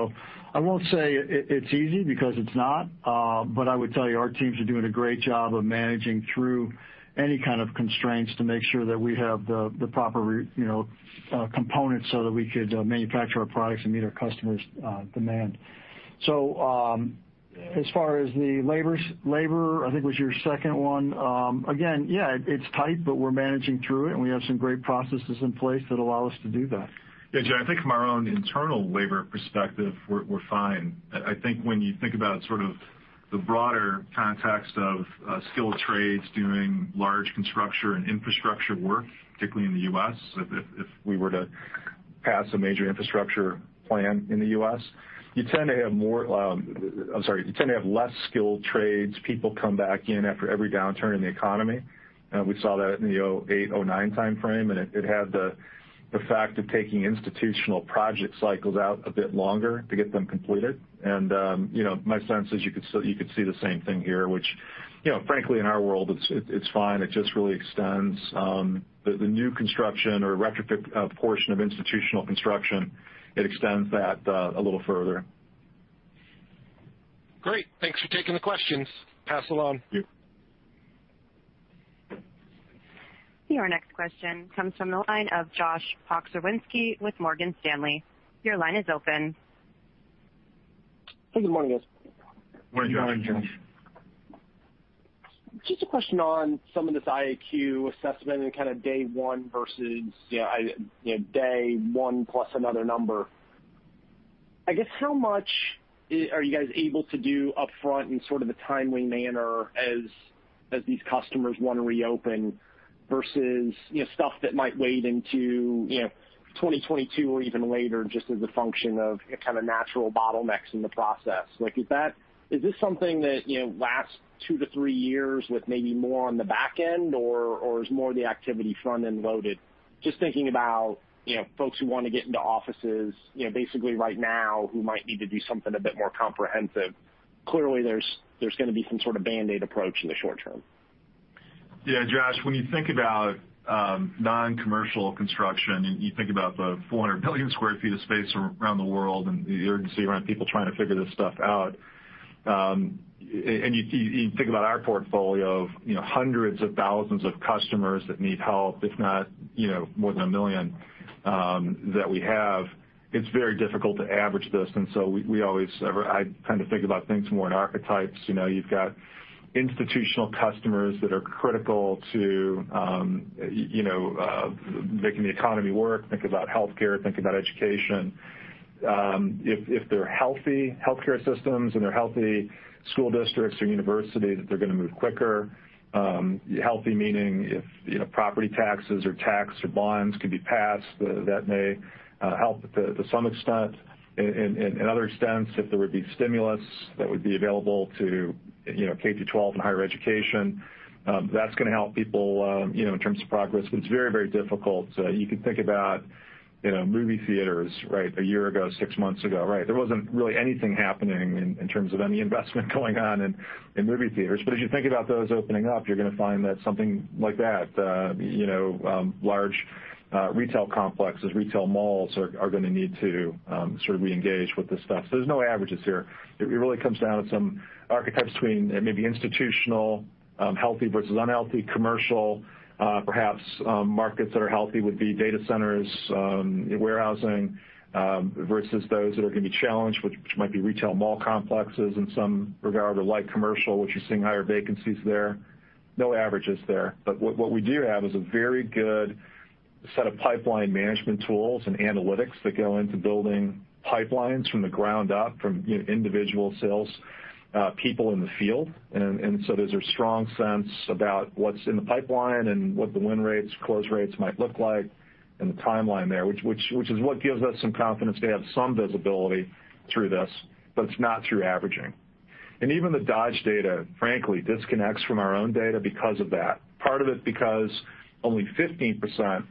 [SPEAKER 4] I won't say it's easy, because it's not. I would tell you, our teams are doing a great job of managing through any kind of constraints to make sure that we have the proper components so that we could manufacture our products and meet our customers' demand. As far as the labor, I think was your second one. Again, yeah, it's tight, but we're managing through it, and we have some great processes in place that allow us to do that.
[SPEAKER 3] John, I think from our own internal labor perspective, we're fine. I think when you think about sort of the broader context of skilled trades doing large construction and infrastructure work, particularly in the U.S., if we were to pass a major infrastructure plan in the U.S., you tend to have less skilled tradespeople come back in after every downturn in the economy. We saw that in the 2008, 2009 timeframe, it had the effect of taking institutional project cycles out a bit longer to get them completed. My sense is you could see the same thing here, which frankly, in our world, it's fine. It just really extends the new construction or retrofit portion of institutional construction. It extends that a little further.
[SPEAKER 10] Great. Thanks for taking the questions. Pass it along.
[SPEAKER 4] Thank you.
[SPEAKER 1] Your next question comes from the line of Josh Pokrzywinski with Morgan Stanley. Your line is open.
[SPEAKER 11] Good morning, guys.
[SPEAKER 3] Morning, Josh.
[SPEAKER 4] Morning, Josh.
[SPEAKER 11] Just a question on some of this IAQ assessment and kind of day 1 versus day 1 plus another number. I guess, how much are you guys able to do upfront in sort of a timely manner as these customers want to reopen versus stuff that might wait into 2022 or even later, just as a function of kind of natural bottlenecks in the process? Is this something that lasts two-three years with maybe more on the back end, or is more of the activity front-end loaded? Just thinking about folks who want to get into offices basically right now who might need to do something a bit more comprehensive. Clearly, there's going to be some sort of Band-Aid approach in the short term.
[SPEAKER 3] Yeah, Josh, when you think about non-commercial construction, and you think about the 400 million sq ft of space around the world and the urgency around people trying to figure this stuff out, and you think about our portfolio of hundreds of thousands of customers that need help, if not more than 1 million that we have, it's very difficult to average this. I kind of think about things more in archetypes. You've got institutional customers that are critical to making the economy work. Think about healthcare, think about education. If they're healthy healthcare systems and they're healthy school districts or universities, they're going to move quicker. Healthy meaning if property taxes or tax or bonds can be passed, that may help to some extent. In other extents, if there would be stimulus that would be available to K through 12 and higher education, that's going to help people in terms of progress. It's very difficult. You could think about movie theaters, right? A year ago, six months ago, right, there wasn't really anything happening in terms of any investment going on in movie theaters. A s you think about those opening up, you're going to find that something like that, large retail complexes, retail malls, are going to need to sort of reengage with this stuff. There's no averages here. It really comes down to some archetypes between maybe institutional, healthy versus unhealthy, commercial. Perhaps markets that are healthy would be data centers, warehousing, versus those that are going to be challenged, which might be retail mall complexes and some light commercial, which you're seeing higher vacancies there. No averages there. What we do have is a very good set of pipeline management tools and analytics that go into building pipelines from the ground up, from individual salespeople in the field. There's a strong sense about what's in the pipeline and what the win rates, close rates might look like and the timeline there, which is what gives us some confidence to have some visibility through this. It's not through averaging. Even the Dodge data, frankly, disconnects from our own data because of that. Part of it because only 15%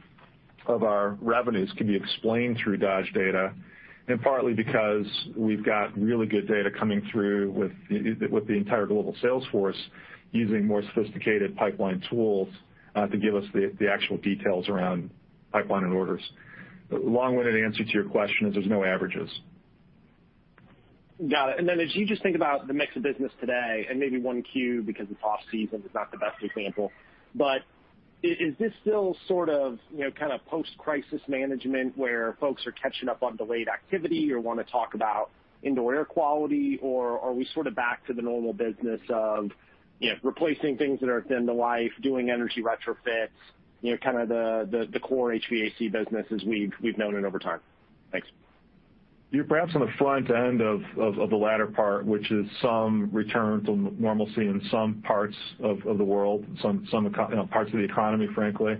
[SPEAKER 3] of our revenues can be explained through Dodge data, and partly because we've got really good data coming through with the entire global sales force using more sophisticated pipeline tools to give us the actual details around pipeline and orders. Long-winded answer to your question is there's no averages.
[SPEAKER 11] Got it. As you just think about the mix of business today, maybe 1Q because it's off-season is not the best example, but is this still sort of post-crisis management where folks are catching up on delayed activity or want to talk about indoor air quality? Are we sort of back to the normal business of replacing things that are at the end of life, doing energy retrofits, kind of the core HVAC business as we've known it over time? Thanks.
[SPEAKER 3] You're perhaps on the front end of the latter part, which is some return to normalcy in some parts of the world, some parts of the economy, frankly.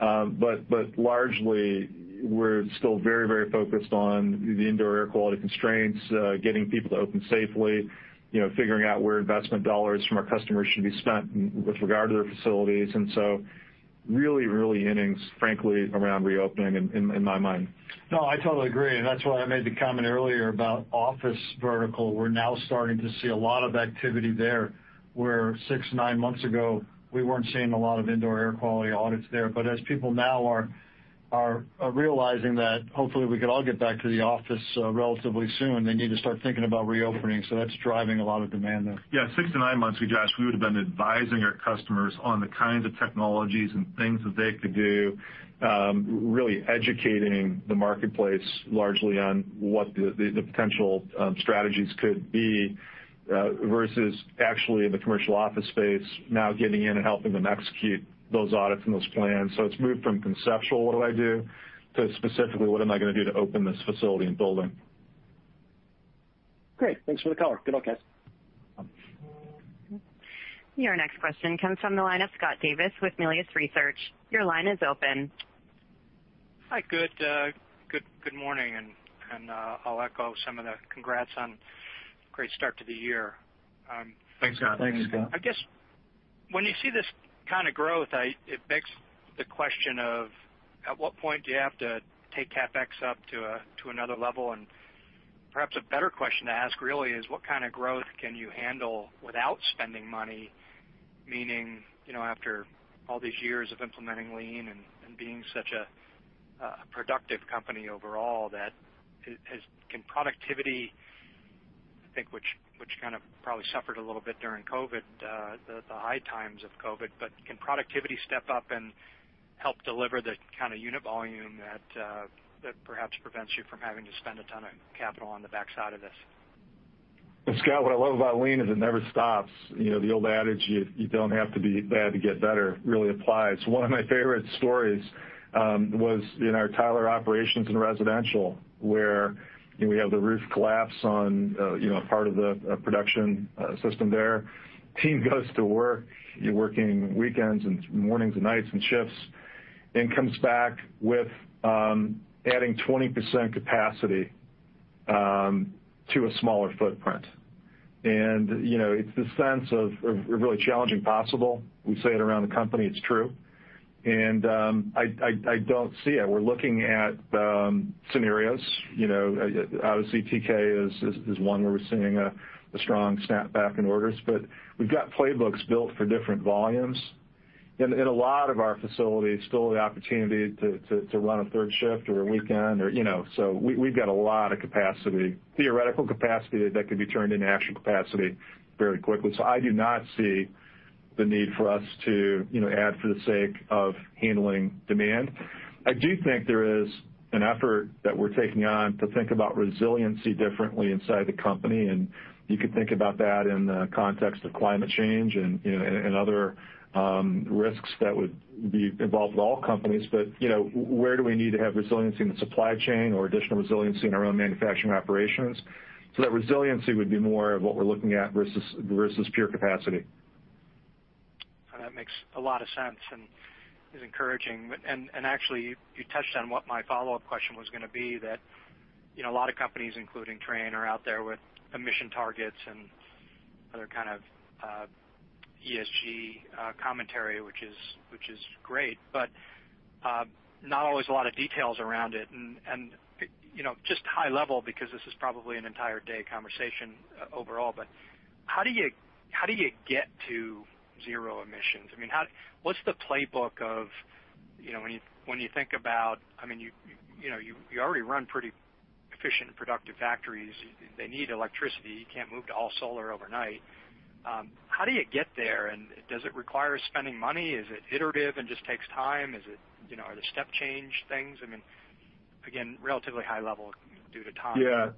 [SPEAKER 3] Largely, we're still very focused on the indoor air quality constraints, getting people to open safely, figuring out where investment dollars from our customers should be spent with regard to their facilities, early innings, frankly, around reopening in my mind.
[SPEAKER 4] No, I totally agree. That's why I made the comment earlier about office vertical. We're now starting to see a lot of activity there, where six, nine months ago, we weren't seeing a lot of indoor air quality audits there. As people now are realizing that hopefully we could all get back to the office relatively soon, they need to start thinking about reopening. That's driving a lot of demand there.
[SPEAKER 3] Yeah. Six to nine months ago, Josh, we would've been advising our customers on the kinds of technologies and things that they could do, really educating the marketplace largely on what the potential strategies could be, versus actually in the commercial office space now getting in and helping them execute those audits and those plans. It's moved from conceptual, what do I do, to specifically, what am I going to do to open this facility and building?
[SPEAKER 11] Great. Thanks for the color. Good luck, guys.
[SPEAKER 1] Your next question comes from the line of Scott Davis with Melius Research. Your line is open.
[SPEAKER 12] Hi. Good morning, and I'll echo some of the congrats on a great start to the year.
[SPEAKER 3] Thanks, Scott.
[SPEAKER 4] Thanks, Scott.
[SPEAKER 12] I guess, when you see this kind of growth, it begs the question of at what point do you have to take CapEx up to another level? Perhaps a better question to ask really is what kind of growth can you handle without spending money? Meaning, after all these years of implementing Lean and being such a productive company overall, can productivity, I think which kind of probably suffered a little bit during COVID-19, the high times of COVID-19, but can productivity step up and help deliver the kind of unit volume that perhaps prevents you from having to spend a ton of capital on the backside of this?
[SPEAKER 3] Scott, what I love about Lean is it never stops. The old adage, you don't have to be bad to get better really applies. One of my favorite stories was in our Tyler operations in residential, where we have the roof collapse on part of the production system there. Team goes to work. You're working weekends and mornings and nights and shifts, and comes back with adding 20% capacity to a smaller footprint. It's the sense of really challenging possible. We say it around the company, it's true. I don't see it. We're looking at scenarios. Obviously, TK is one where we're seeing a strong snapback in orders. We've got playbooks built for different volumes. In a lot of our facilities, still have the opportunity to run a third shift or a weekend. We've got a lot of capacity, theoretical capacity that could be turned into actual capacity very quickly. I do not see the need for us to add for the sake of handling demand. I do think there is an effort that we're taking on to think about resiliency differently inside the company, and you could think about that in the context of climate change and other risks that would be involved with all companies. Where do we need to have resiliency in the supply chain or additional resiliency in our own manufacturing operations? That resiliency would be more of what we're looking at versus pure capacity.
[SPEAKER 12] That makes a lot of sense and is encouraging. Actually, you touched on what my follow-up question was going to be, that a lot of companies, including Trane, are out there with emission targets and other kind of ESG commentary, which is great, not always a lot of details around it. Just high level, because this is probably an entire day conversation overall, how do you get to zero emissions? What's the playbook of when you think about, you already run pretty efficient and productive factories. They need electricity. You can't move to all solar overnight. How do you get there, does it require spending money? Is it iterative and just takes time? Are there step change things? Again, relatively high level due to time.
[SPEAKER 3] Yeah.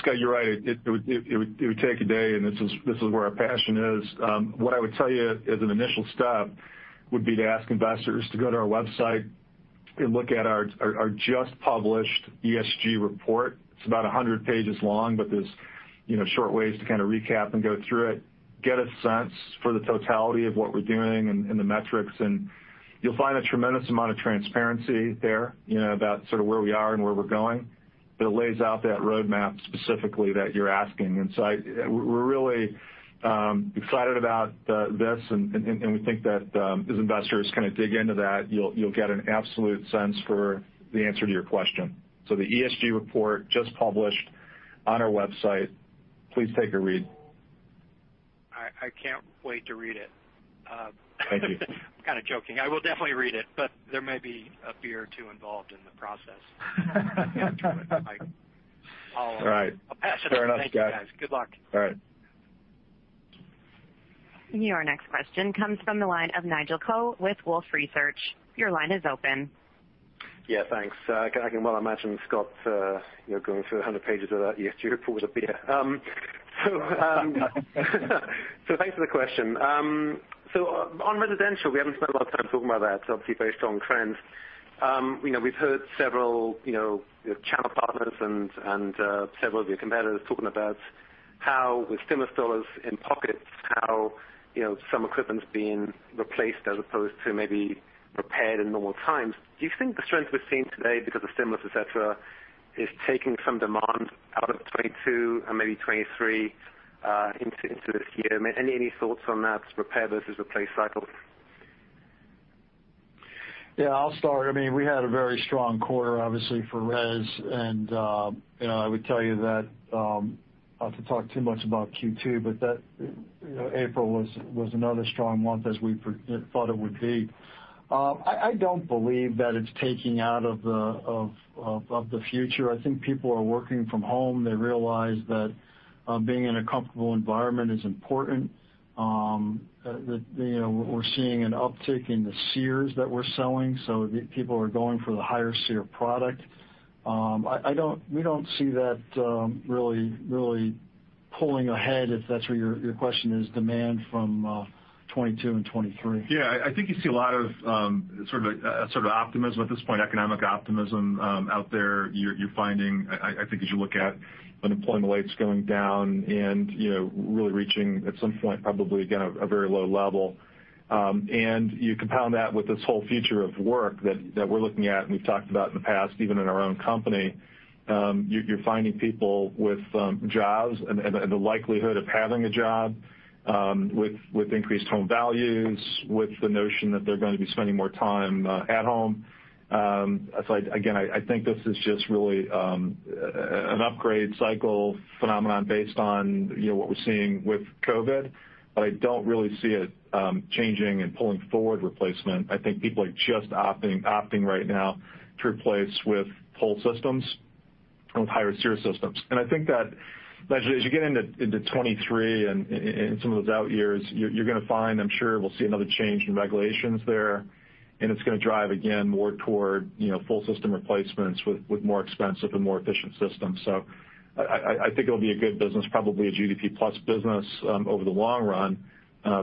[SPEAKER 3] Scott, you're right. It would take a day, and this is where our passion is. What I would tell you as an initial step would be to ask investors to go to our website and look at our just published ESG report. It's about 100 pages long, but there's short ways to kind of recap and go through it, get a sense for the totality of what we're doing and the metrics, and you'll find a tremendous amount of transparency there about sort of where we are and where we're going, that lays out that roadmap specifically that you're asking. We're really excited about this, and we think that as investors kind of dig into that, you'll get an absolute sense for the answer to your question. The ESG report, just published on our website. Please take a read.
[SPEAKER 12] I can't wait to read it.
[SPEAKER 3] Thank you.
[SPEAKER 12] I'm kind of joking. I will definitely read it, but there may be a beer or two involved in the process.
[SPEAKER 3] Right.
[SPEAKER 12] Passionate.
[SPEAKER 3] Fair enough, Scott.
[SPEAKER 12] Thank you, guys. Good luck.
[SPEAKER 3] All right.
[SPEAKER 1] Your next question comes from the line of Nigel Coe with Wolfe Research. Your line is open.
[SPEAKER 13] Yeah, thanks. I can well imagine Scott Davis going through 100 pages of that ESG report with a beer. Thanks for the question. On residential, we haven't spent a lot of time talking about that. It's obviously very strong trends. We've heard several channel partners and several of your competitors talking about how, with stimulus dollars in pockets, how some equipment's being replaced as opposed to maybe repaired in normal times. Do you think the strength we're seeing today because of stimulus, et cetera, is taking some demand out of 2022 and maybe 2023 into this year? Any thoughts on that repair versus replace cycles?
[SPEAKER 4] Yeah, I'll start. We had a very strong quarter, obviously, for res, and I would tell you that, not to talk too much about Q2, but that April was another strong month as we thought it would be. I don't believe that it's taking out of the future. I think people are working from home. They realize that being in a comfortable environment is important. We're seeing an uptick in the SEERs that we're selling. People are going for the higher SEER product. We don't see that really pulling ahead, if that's where your question is, demand from 2022 and 2023.
[SPEAKER 3] Yeah, I think you see a lot of optimism at this point, economic optimism out there. You're finding, I think, as you look at unemployment rates going down and really reaching at some point, probably again, a very low level. You compound that with this whole future of work that we're looking at, and we've talked about in the past, even in our own company. You're finding people with jobs and the likelihood of having a job, with increased home values, with the notion that they're going to be spending more time at home. Again, I think this is just really an upgrade cycle phenomenon based on what we're seeing with COVID-19, but I don't really see it changing and pulling forward replacement. I think people are just opting right now to replace with whole systems and with higher SEER systems. I think that, Nigel, as you get into 2023 and some of those out years, you're going to find, I'm sure we'll see another change in regulations there, and it's going to drive again, more toward full system replacements with more expensive and more efficient systems. So I think it'll be a good business, probably a GDP plus business over the long run,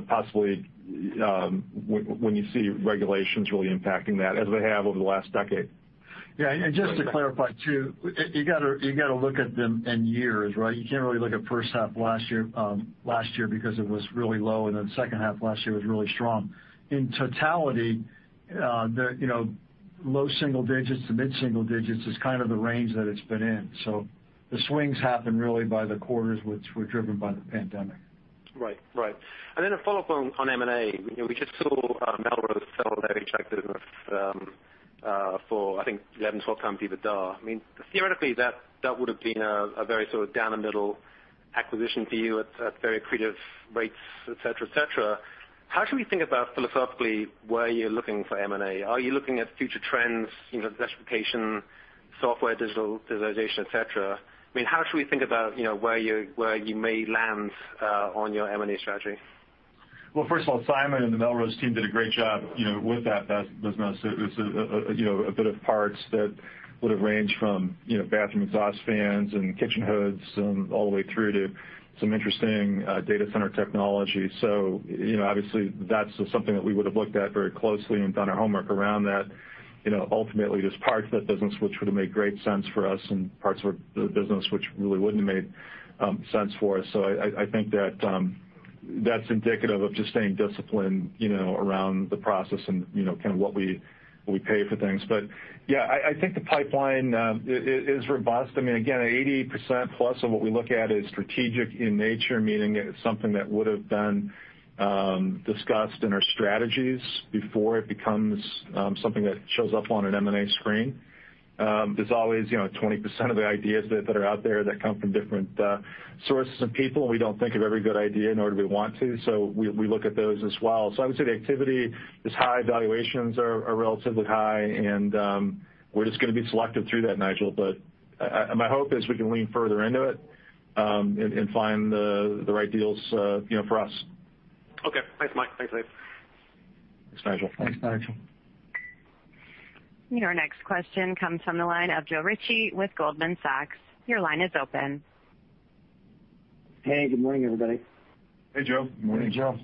[SPEAKER 3] possibly when you see regulations really impacting that as they have over the last decade.
[SPEAKER 4] Yeah, just to clarify, too, you got to look at them in years, right? You can't really look at the first half of last year because it was really low, and then the second half of last year was really strong. In totality, the low single digits to mid single digits is kind of the range that it's been in. The swings happen really by the quarters, which were driven by the pandemic.
[SPEAKER 13] Right. A follow-up on M&A. We just saw Melrose sell their HVAC business for, I think 11, 12 times EBITDA. Theoretically, that would have been a very sort of down the middle acquisition for you at very accretive rates, et cetera. How should we think about philosophically, where you're looking for M&A? Are you looking at future trends, desertification, software, digitalization, et cetera? How should we think about where you may land on your M&A strategy?
[SPEAKER 3] Well, first of all, Simon and the Melrose team did a great job with that business. It was a bit of parts that would have ranged from bathroom exhaust fans and kitchen hoods, all the way through to some interesting data center technology. Obviously that's something that we would have looked at very closely and done our homework around that. Ultimately, there's parts of that business which would have made great sense for us and parts of the business which really wouldn't have made sense for us. I think that's indicative of just staying disciplined around the process and what we pay for things. Yeah, I think the pipeline is robust. Again, 88% plus of what we look at is strategic in nature, meaning it's something that would have been discussed in our strategies before it becomes something that shows up on an M&A screen. There's always 20% of the ideas that are out there that come from different sources and people, and we don't think of every good idea, nor do we want to. We look at those as well. I would say the activity is high, valuations are relatively high, and we're just going to be selective through that, Nigel. My hope is we can lean further into it and find the right deals for us.
[SPEAKER 13] Okay. Thanks, Mike. Thanks, Dave.
[SPEAKER 3] Thanks, Nigel.
[SPEAKER 4] Thanks, Nigel.
[SPEAKER 1] Your next question comes from the line of Joe Ritchie with Goldman Sachs. Your line is open.
[SPEAKER 14] Hey, good morning, everybody.
[SPEAKER 3] Hey, Joe.
[SPEAKER 4] Good morning, Joe.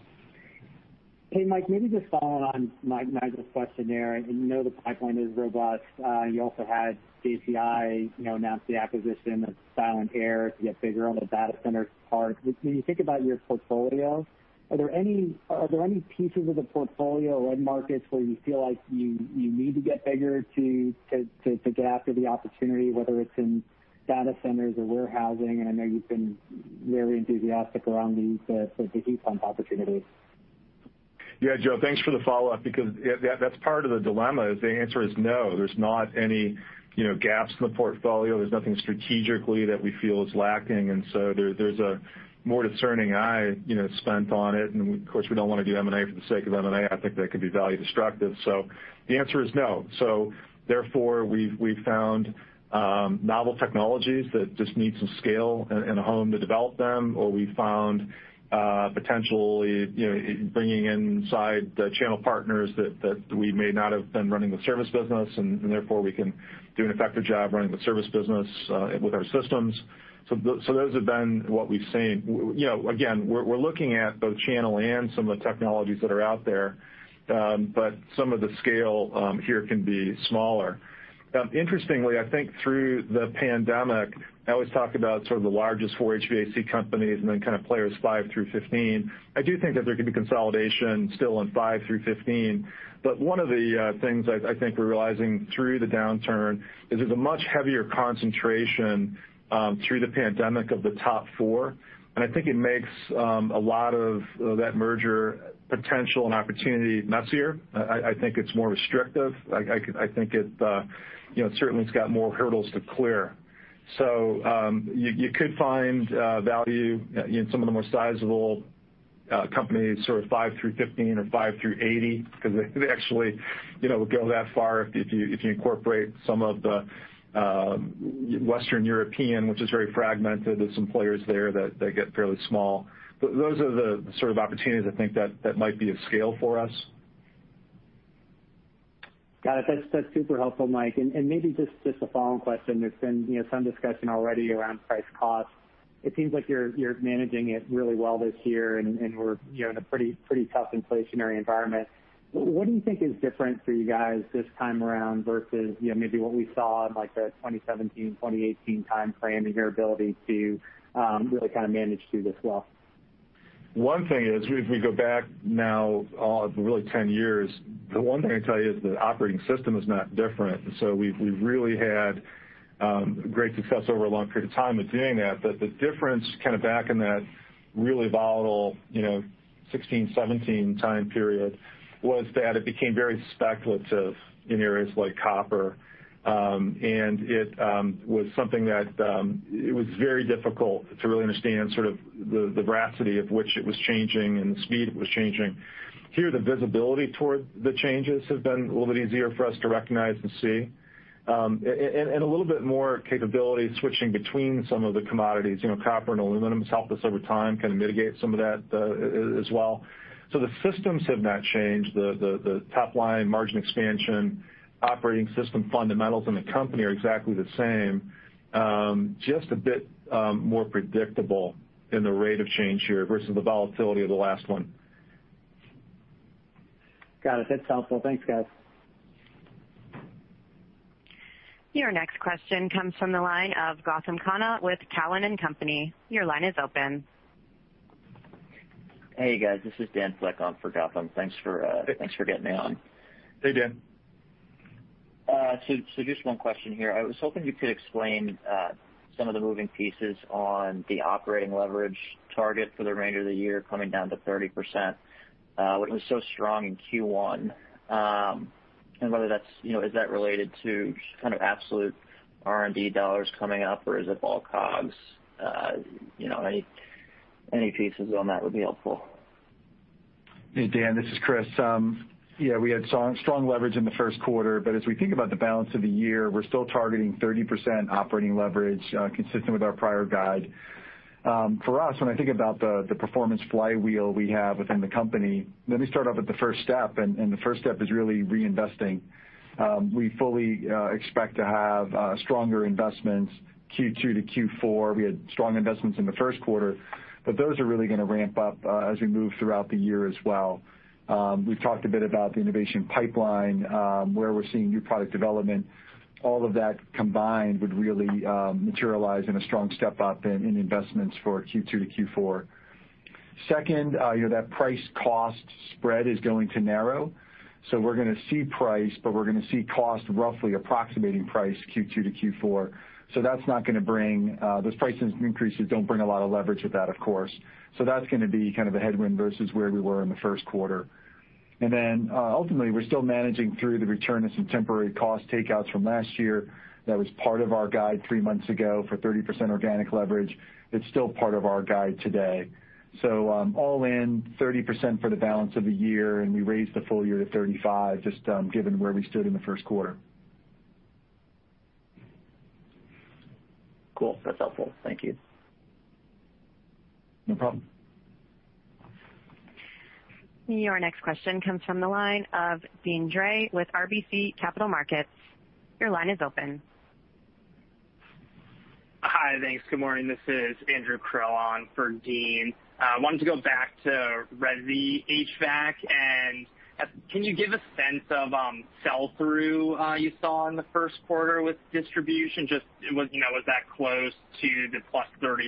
[SPEAKER 14] Hey, Mike, maybe just following on Nigel's question there. We know the pipeline is robust. You also had JCI announce the acquisition of Silent-Aire to get bigger on the data center part. When you think about your portfolio, are there any pieces of the portfolio or end markets where you feel like you need to get bigger to get after the opportunity, whether it's in data centers or warehousing? I know you've been very enthusiastic around the heat pump opportunity.
[SPEAKER 3] Yeah, Joe, thanks for the follow-up because that's part of the dilemma is the answer is no, there's not any gaps in the portfolio. There's nothing strategically that we feel is lacking, and so there's a more discerning eye spent on it. Of course, we don't want to do M&A for the sake of M&A. I think that could be value destructive. The answer is no. Therefore, we've found novel technologies that just need some scale and a home to develop them, or we've found potentially bringing inside the channel partners that we may not have been running the service business, and therefore we can do an effective job running the service business with our systems. Those have been what we've seen. Again, we're looking at both channel and some of the technologies that are out there. Some of the scale here can be smaller. Interestingly, I think through the pandemic, I always talk about sort of the largest four HVAC companies and then kind of players five through 15. I do think that there could be consolidation still in five through 15. One of the things I think we're realizing through the downturn is there's a much heavier concentration through the pandemic of the top four, and I think it makes a lot of that merger potential and opportunity messier. I think it's more restrictive. I think it certainly has got more hurdles to clear. You could find value in some of the more sizable companies, sort of five through 15 or five through 80, because they actually go that far if you incorporate some of the Western European, which is very fragmented, there's some players there that get fairly small. Those are the sort of opportunities I think that might be of scale for us.
[SPEAKER 14] Got it. That's super helpful, Mike. Maybe just a follow-on question. There's been some discussion already around price cost. It seems like you're managing it really well this year, and we're in a pretty tough inflationary environment. What do you think is different for you guys this time around versus maybe what we saw in like the 2017, 2018 timeframe and your ability to really kind of manage through this well?
[SPEAKER 3] One thing is, if we go back now, really 10 years, the one thing I can tell you is the operating system is not different. We've really had great success over a long period of time at doing that. The difference kind of back in that really volatile 2016, 2017 time period was that it became very speculative in areas like copper. It was something that it was very difficult to really understand sort of the veracity at which it was changing and the speed it was changing. Here, the visibility toward the changes have been a little bit easier for us to recognize and see. A little bit more capability switching between some of the commodities. Copper and aluminum has helped us over time, kind of mitigate some of that as well. The systems have not changed. The top-line margin expansion, operating system fundamentals in the company are exactly the same. Just a bit more predictable in the rate of change here versus the volatility of the last one.
[SPEAKER 14] Got it. That's helpful. Thanks, guys.
[SPEAKER 1] Your next question comes from the line of Gautam Khanna with Cowen and Company. Your line is open.
[SPEAKER 15] Hey, guys, this is Dan Fleck on for Gautam. Thanks for getting me on.
[SPEAKER 3] Hey, Dan.
[SPEAKER 16] Just one question here. I was hoping you could explain some of the moving pieces on the operating leverage target for the remainder of the year coming down to 30%, which was so strong in Q1. Is that related to kind of absolute R&D dollars coming up or is it all COGS? Any pieces on that would be helpful.
[SPEAKER 5] Dan, this is Chris. We had strong leverage in the first quarter, as we think about the balance of the year, we're still targeting 30% operating leverage, consistent with our prior guide. For us, when I think about the performance flywheel we have within the company, let me start off with the first step, the first step is really reinvesting. We fully expect to have stronger investments Q2 to Q4. We had strong investments in the first quarter, those are really going to ramp up as we move throughout the year as well. We've talked a bit about the innovation pipeline, where we're seeing new product development. All of that combined would really materialize in a strong step-up in investments for Q2 to Q4. Second, that price cost spread is going to narrow. We're going to see price, we're going to see cost roughly approximating price Q2 to Q4. Those price increases don't bring a lot of leverage with that, of course. That's going to be kind of a headwind versus where we were in the first quarter. Ultimately, we're still managing through the return of some temporary cost takeouts from last year. That was part of our guide three months ago for 30% organic leverage. It's still part of our guide today. All in 30% for the balance of the year, we raised the full year to 35%, just given where we stood in the first quarter.
[SPEAKER 16] Cool. That's helpful. Thank you.
[SPEAKER 5] No problem.
[SPEAKER 1] Your next question comes from the line of Deane Dray with RBC Capital Markets. Your line is open.
[SPEAKER 17] Hi, thanks. Good morning. This is Andrew Krill on for Deane Dray. I wanted to go back to resi HVAC, and can you give a sense of sell-through you saw in the first quarter with distribution? Just was that close to the +30%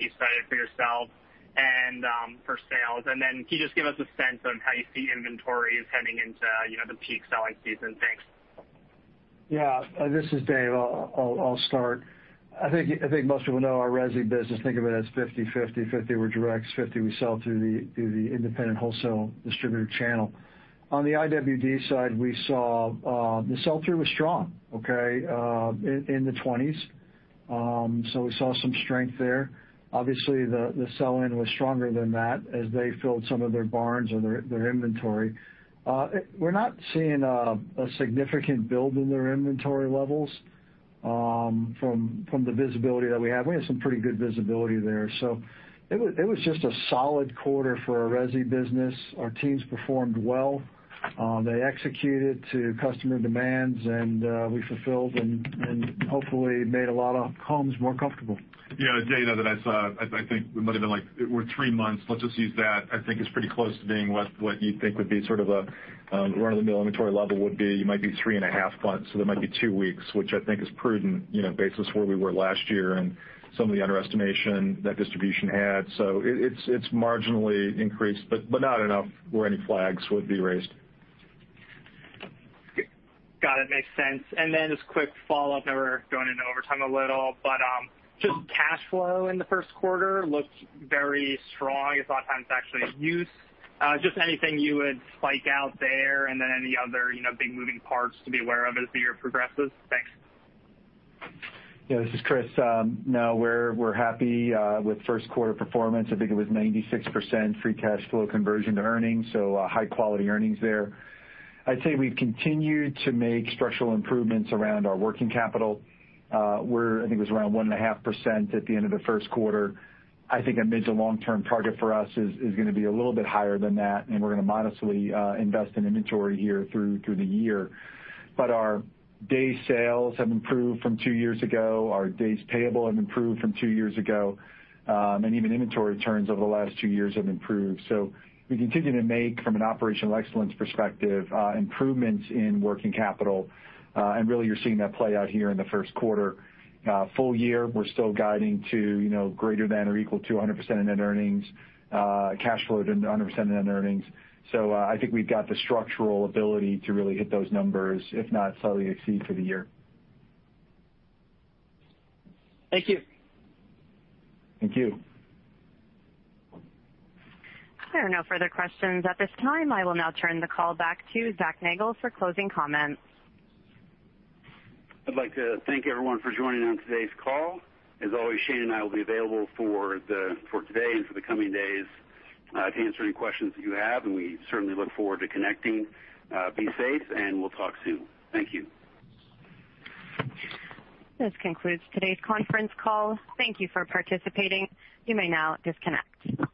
[SPEAKER 17] you cited for yourselves and for sales? Then can you just give us a sense on how you see inventories heading into the peak selling season? Thanks.
[SPEAKER 4] Yeah. This is Dave. I'll start. I think most people know our resi business, think of it as 50/50. 50 we're direct, 50 we sell through the independent wholesale distributor channel. On the IWD side, we saw the sell-through was strong, okay? In the 20s. We saw some strength there. Obviously, the sell-in was stronger than that as they filled some of their barns or their inventory. We're not seeing a significant build in their inventory levels from the visibility that we have. We have some pretty good visibility there. It was just a solid quarter for our resi business. Our teams performed well. They executed to customer demands, and we fulfilled and hopefully made a lot of homes more comfortable.
[SPEAKER 3] Yeah, Dave, I know that I saw, I think it might've been like worth three months. Let's just use that. I think it's pretty close to being what you think would be sort of a run-of-the-mill inventory level would be. You might be three and a half months, so there might be two weeks, which I think is prudent, basis where we were last year and some of the underestimation that distribution had.
[SPEAKER 17] It's marginally increased, but not enough where any flags would be raised. Got it. Makes sense. Then just quick follow-up. I know we're going into overtime a little, but just cash flow in the first quarter looked very strong. I saw it's actually in use. Just anything you would spike out there and then any other big moving parts to be aware of as the year progresses? Thanks.
[SPEAKER 5] Yeah, this is Chris. We're happy with first quarter performance. I think it was 96% free cash flow conversion to earnings, high-quality earnings there. I'd say we've continued to make structural improvements around our working capital, where I think it was around 1.5% at the end of the first quarter. I think a mid to long-term target for us is going to be a little bit higher than that, we're going to modestly invest in inventory here through the year. Our day sales have improved from two years ago. Our days payable have improved from two years ago. Even inventory turns over the last two years have improved. We continue to make, from an operational excellence perspective, improvements in working capital. Really you're seeing that play out here in the first quarter. Full year, we're still guiding to greater than or equal to 100% of net earnings, cash flow to 100% of net earnings. I think we've got the structural ability to really hit those numbers, if not slightly exceed for the year.
[SPEAKER 17] Thank you.
[SPEAKER 5] Thank you.
[SPEAKER 1] There are no further questions at this time. I will now turn the call back to Zac Nagle for closing comments.
[SPEAKER 2] I'd like to thank everyone for joining on today's call. As always, Shane and I will be available for today and for the coming days to answer any questions that you have, and we certainly look forward to connecting. Be safe and we'll talk soon. Thank you.
[SPEAKER 1] This concludes today's conference call. Thank you for participating. You may now disconnect.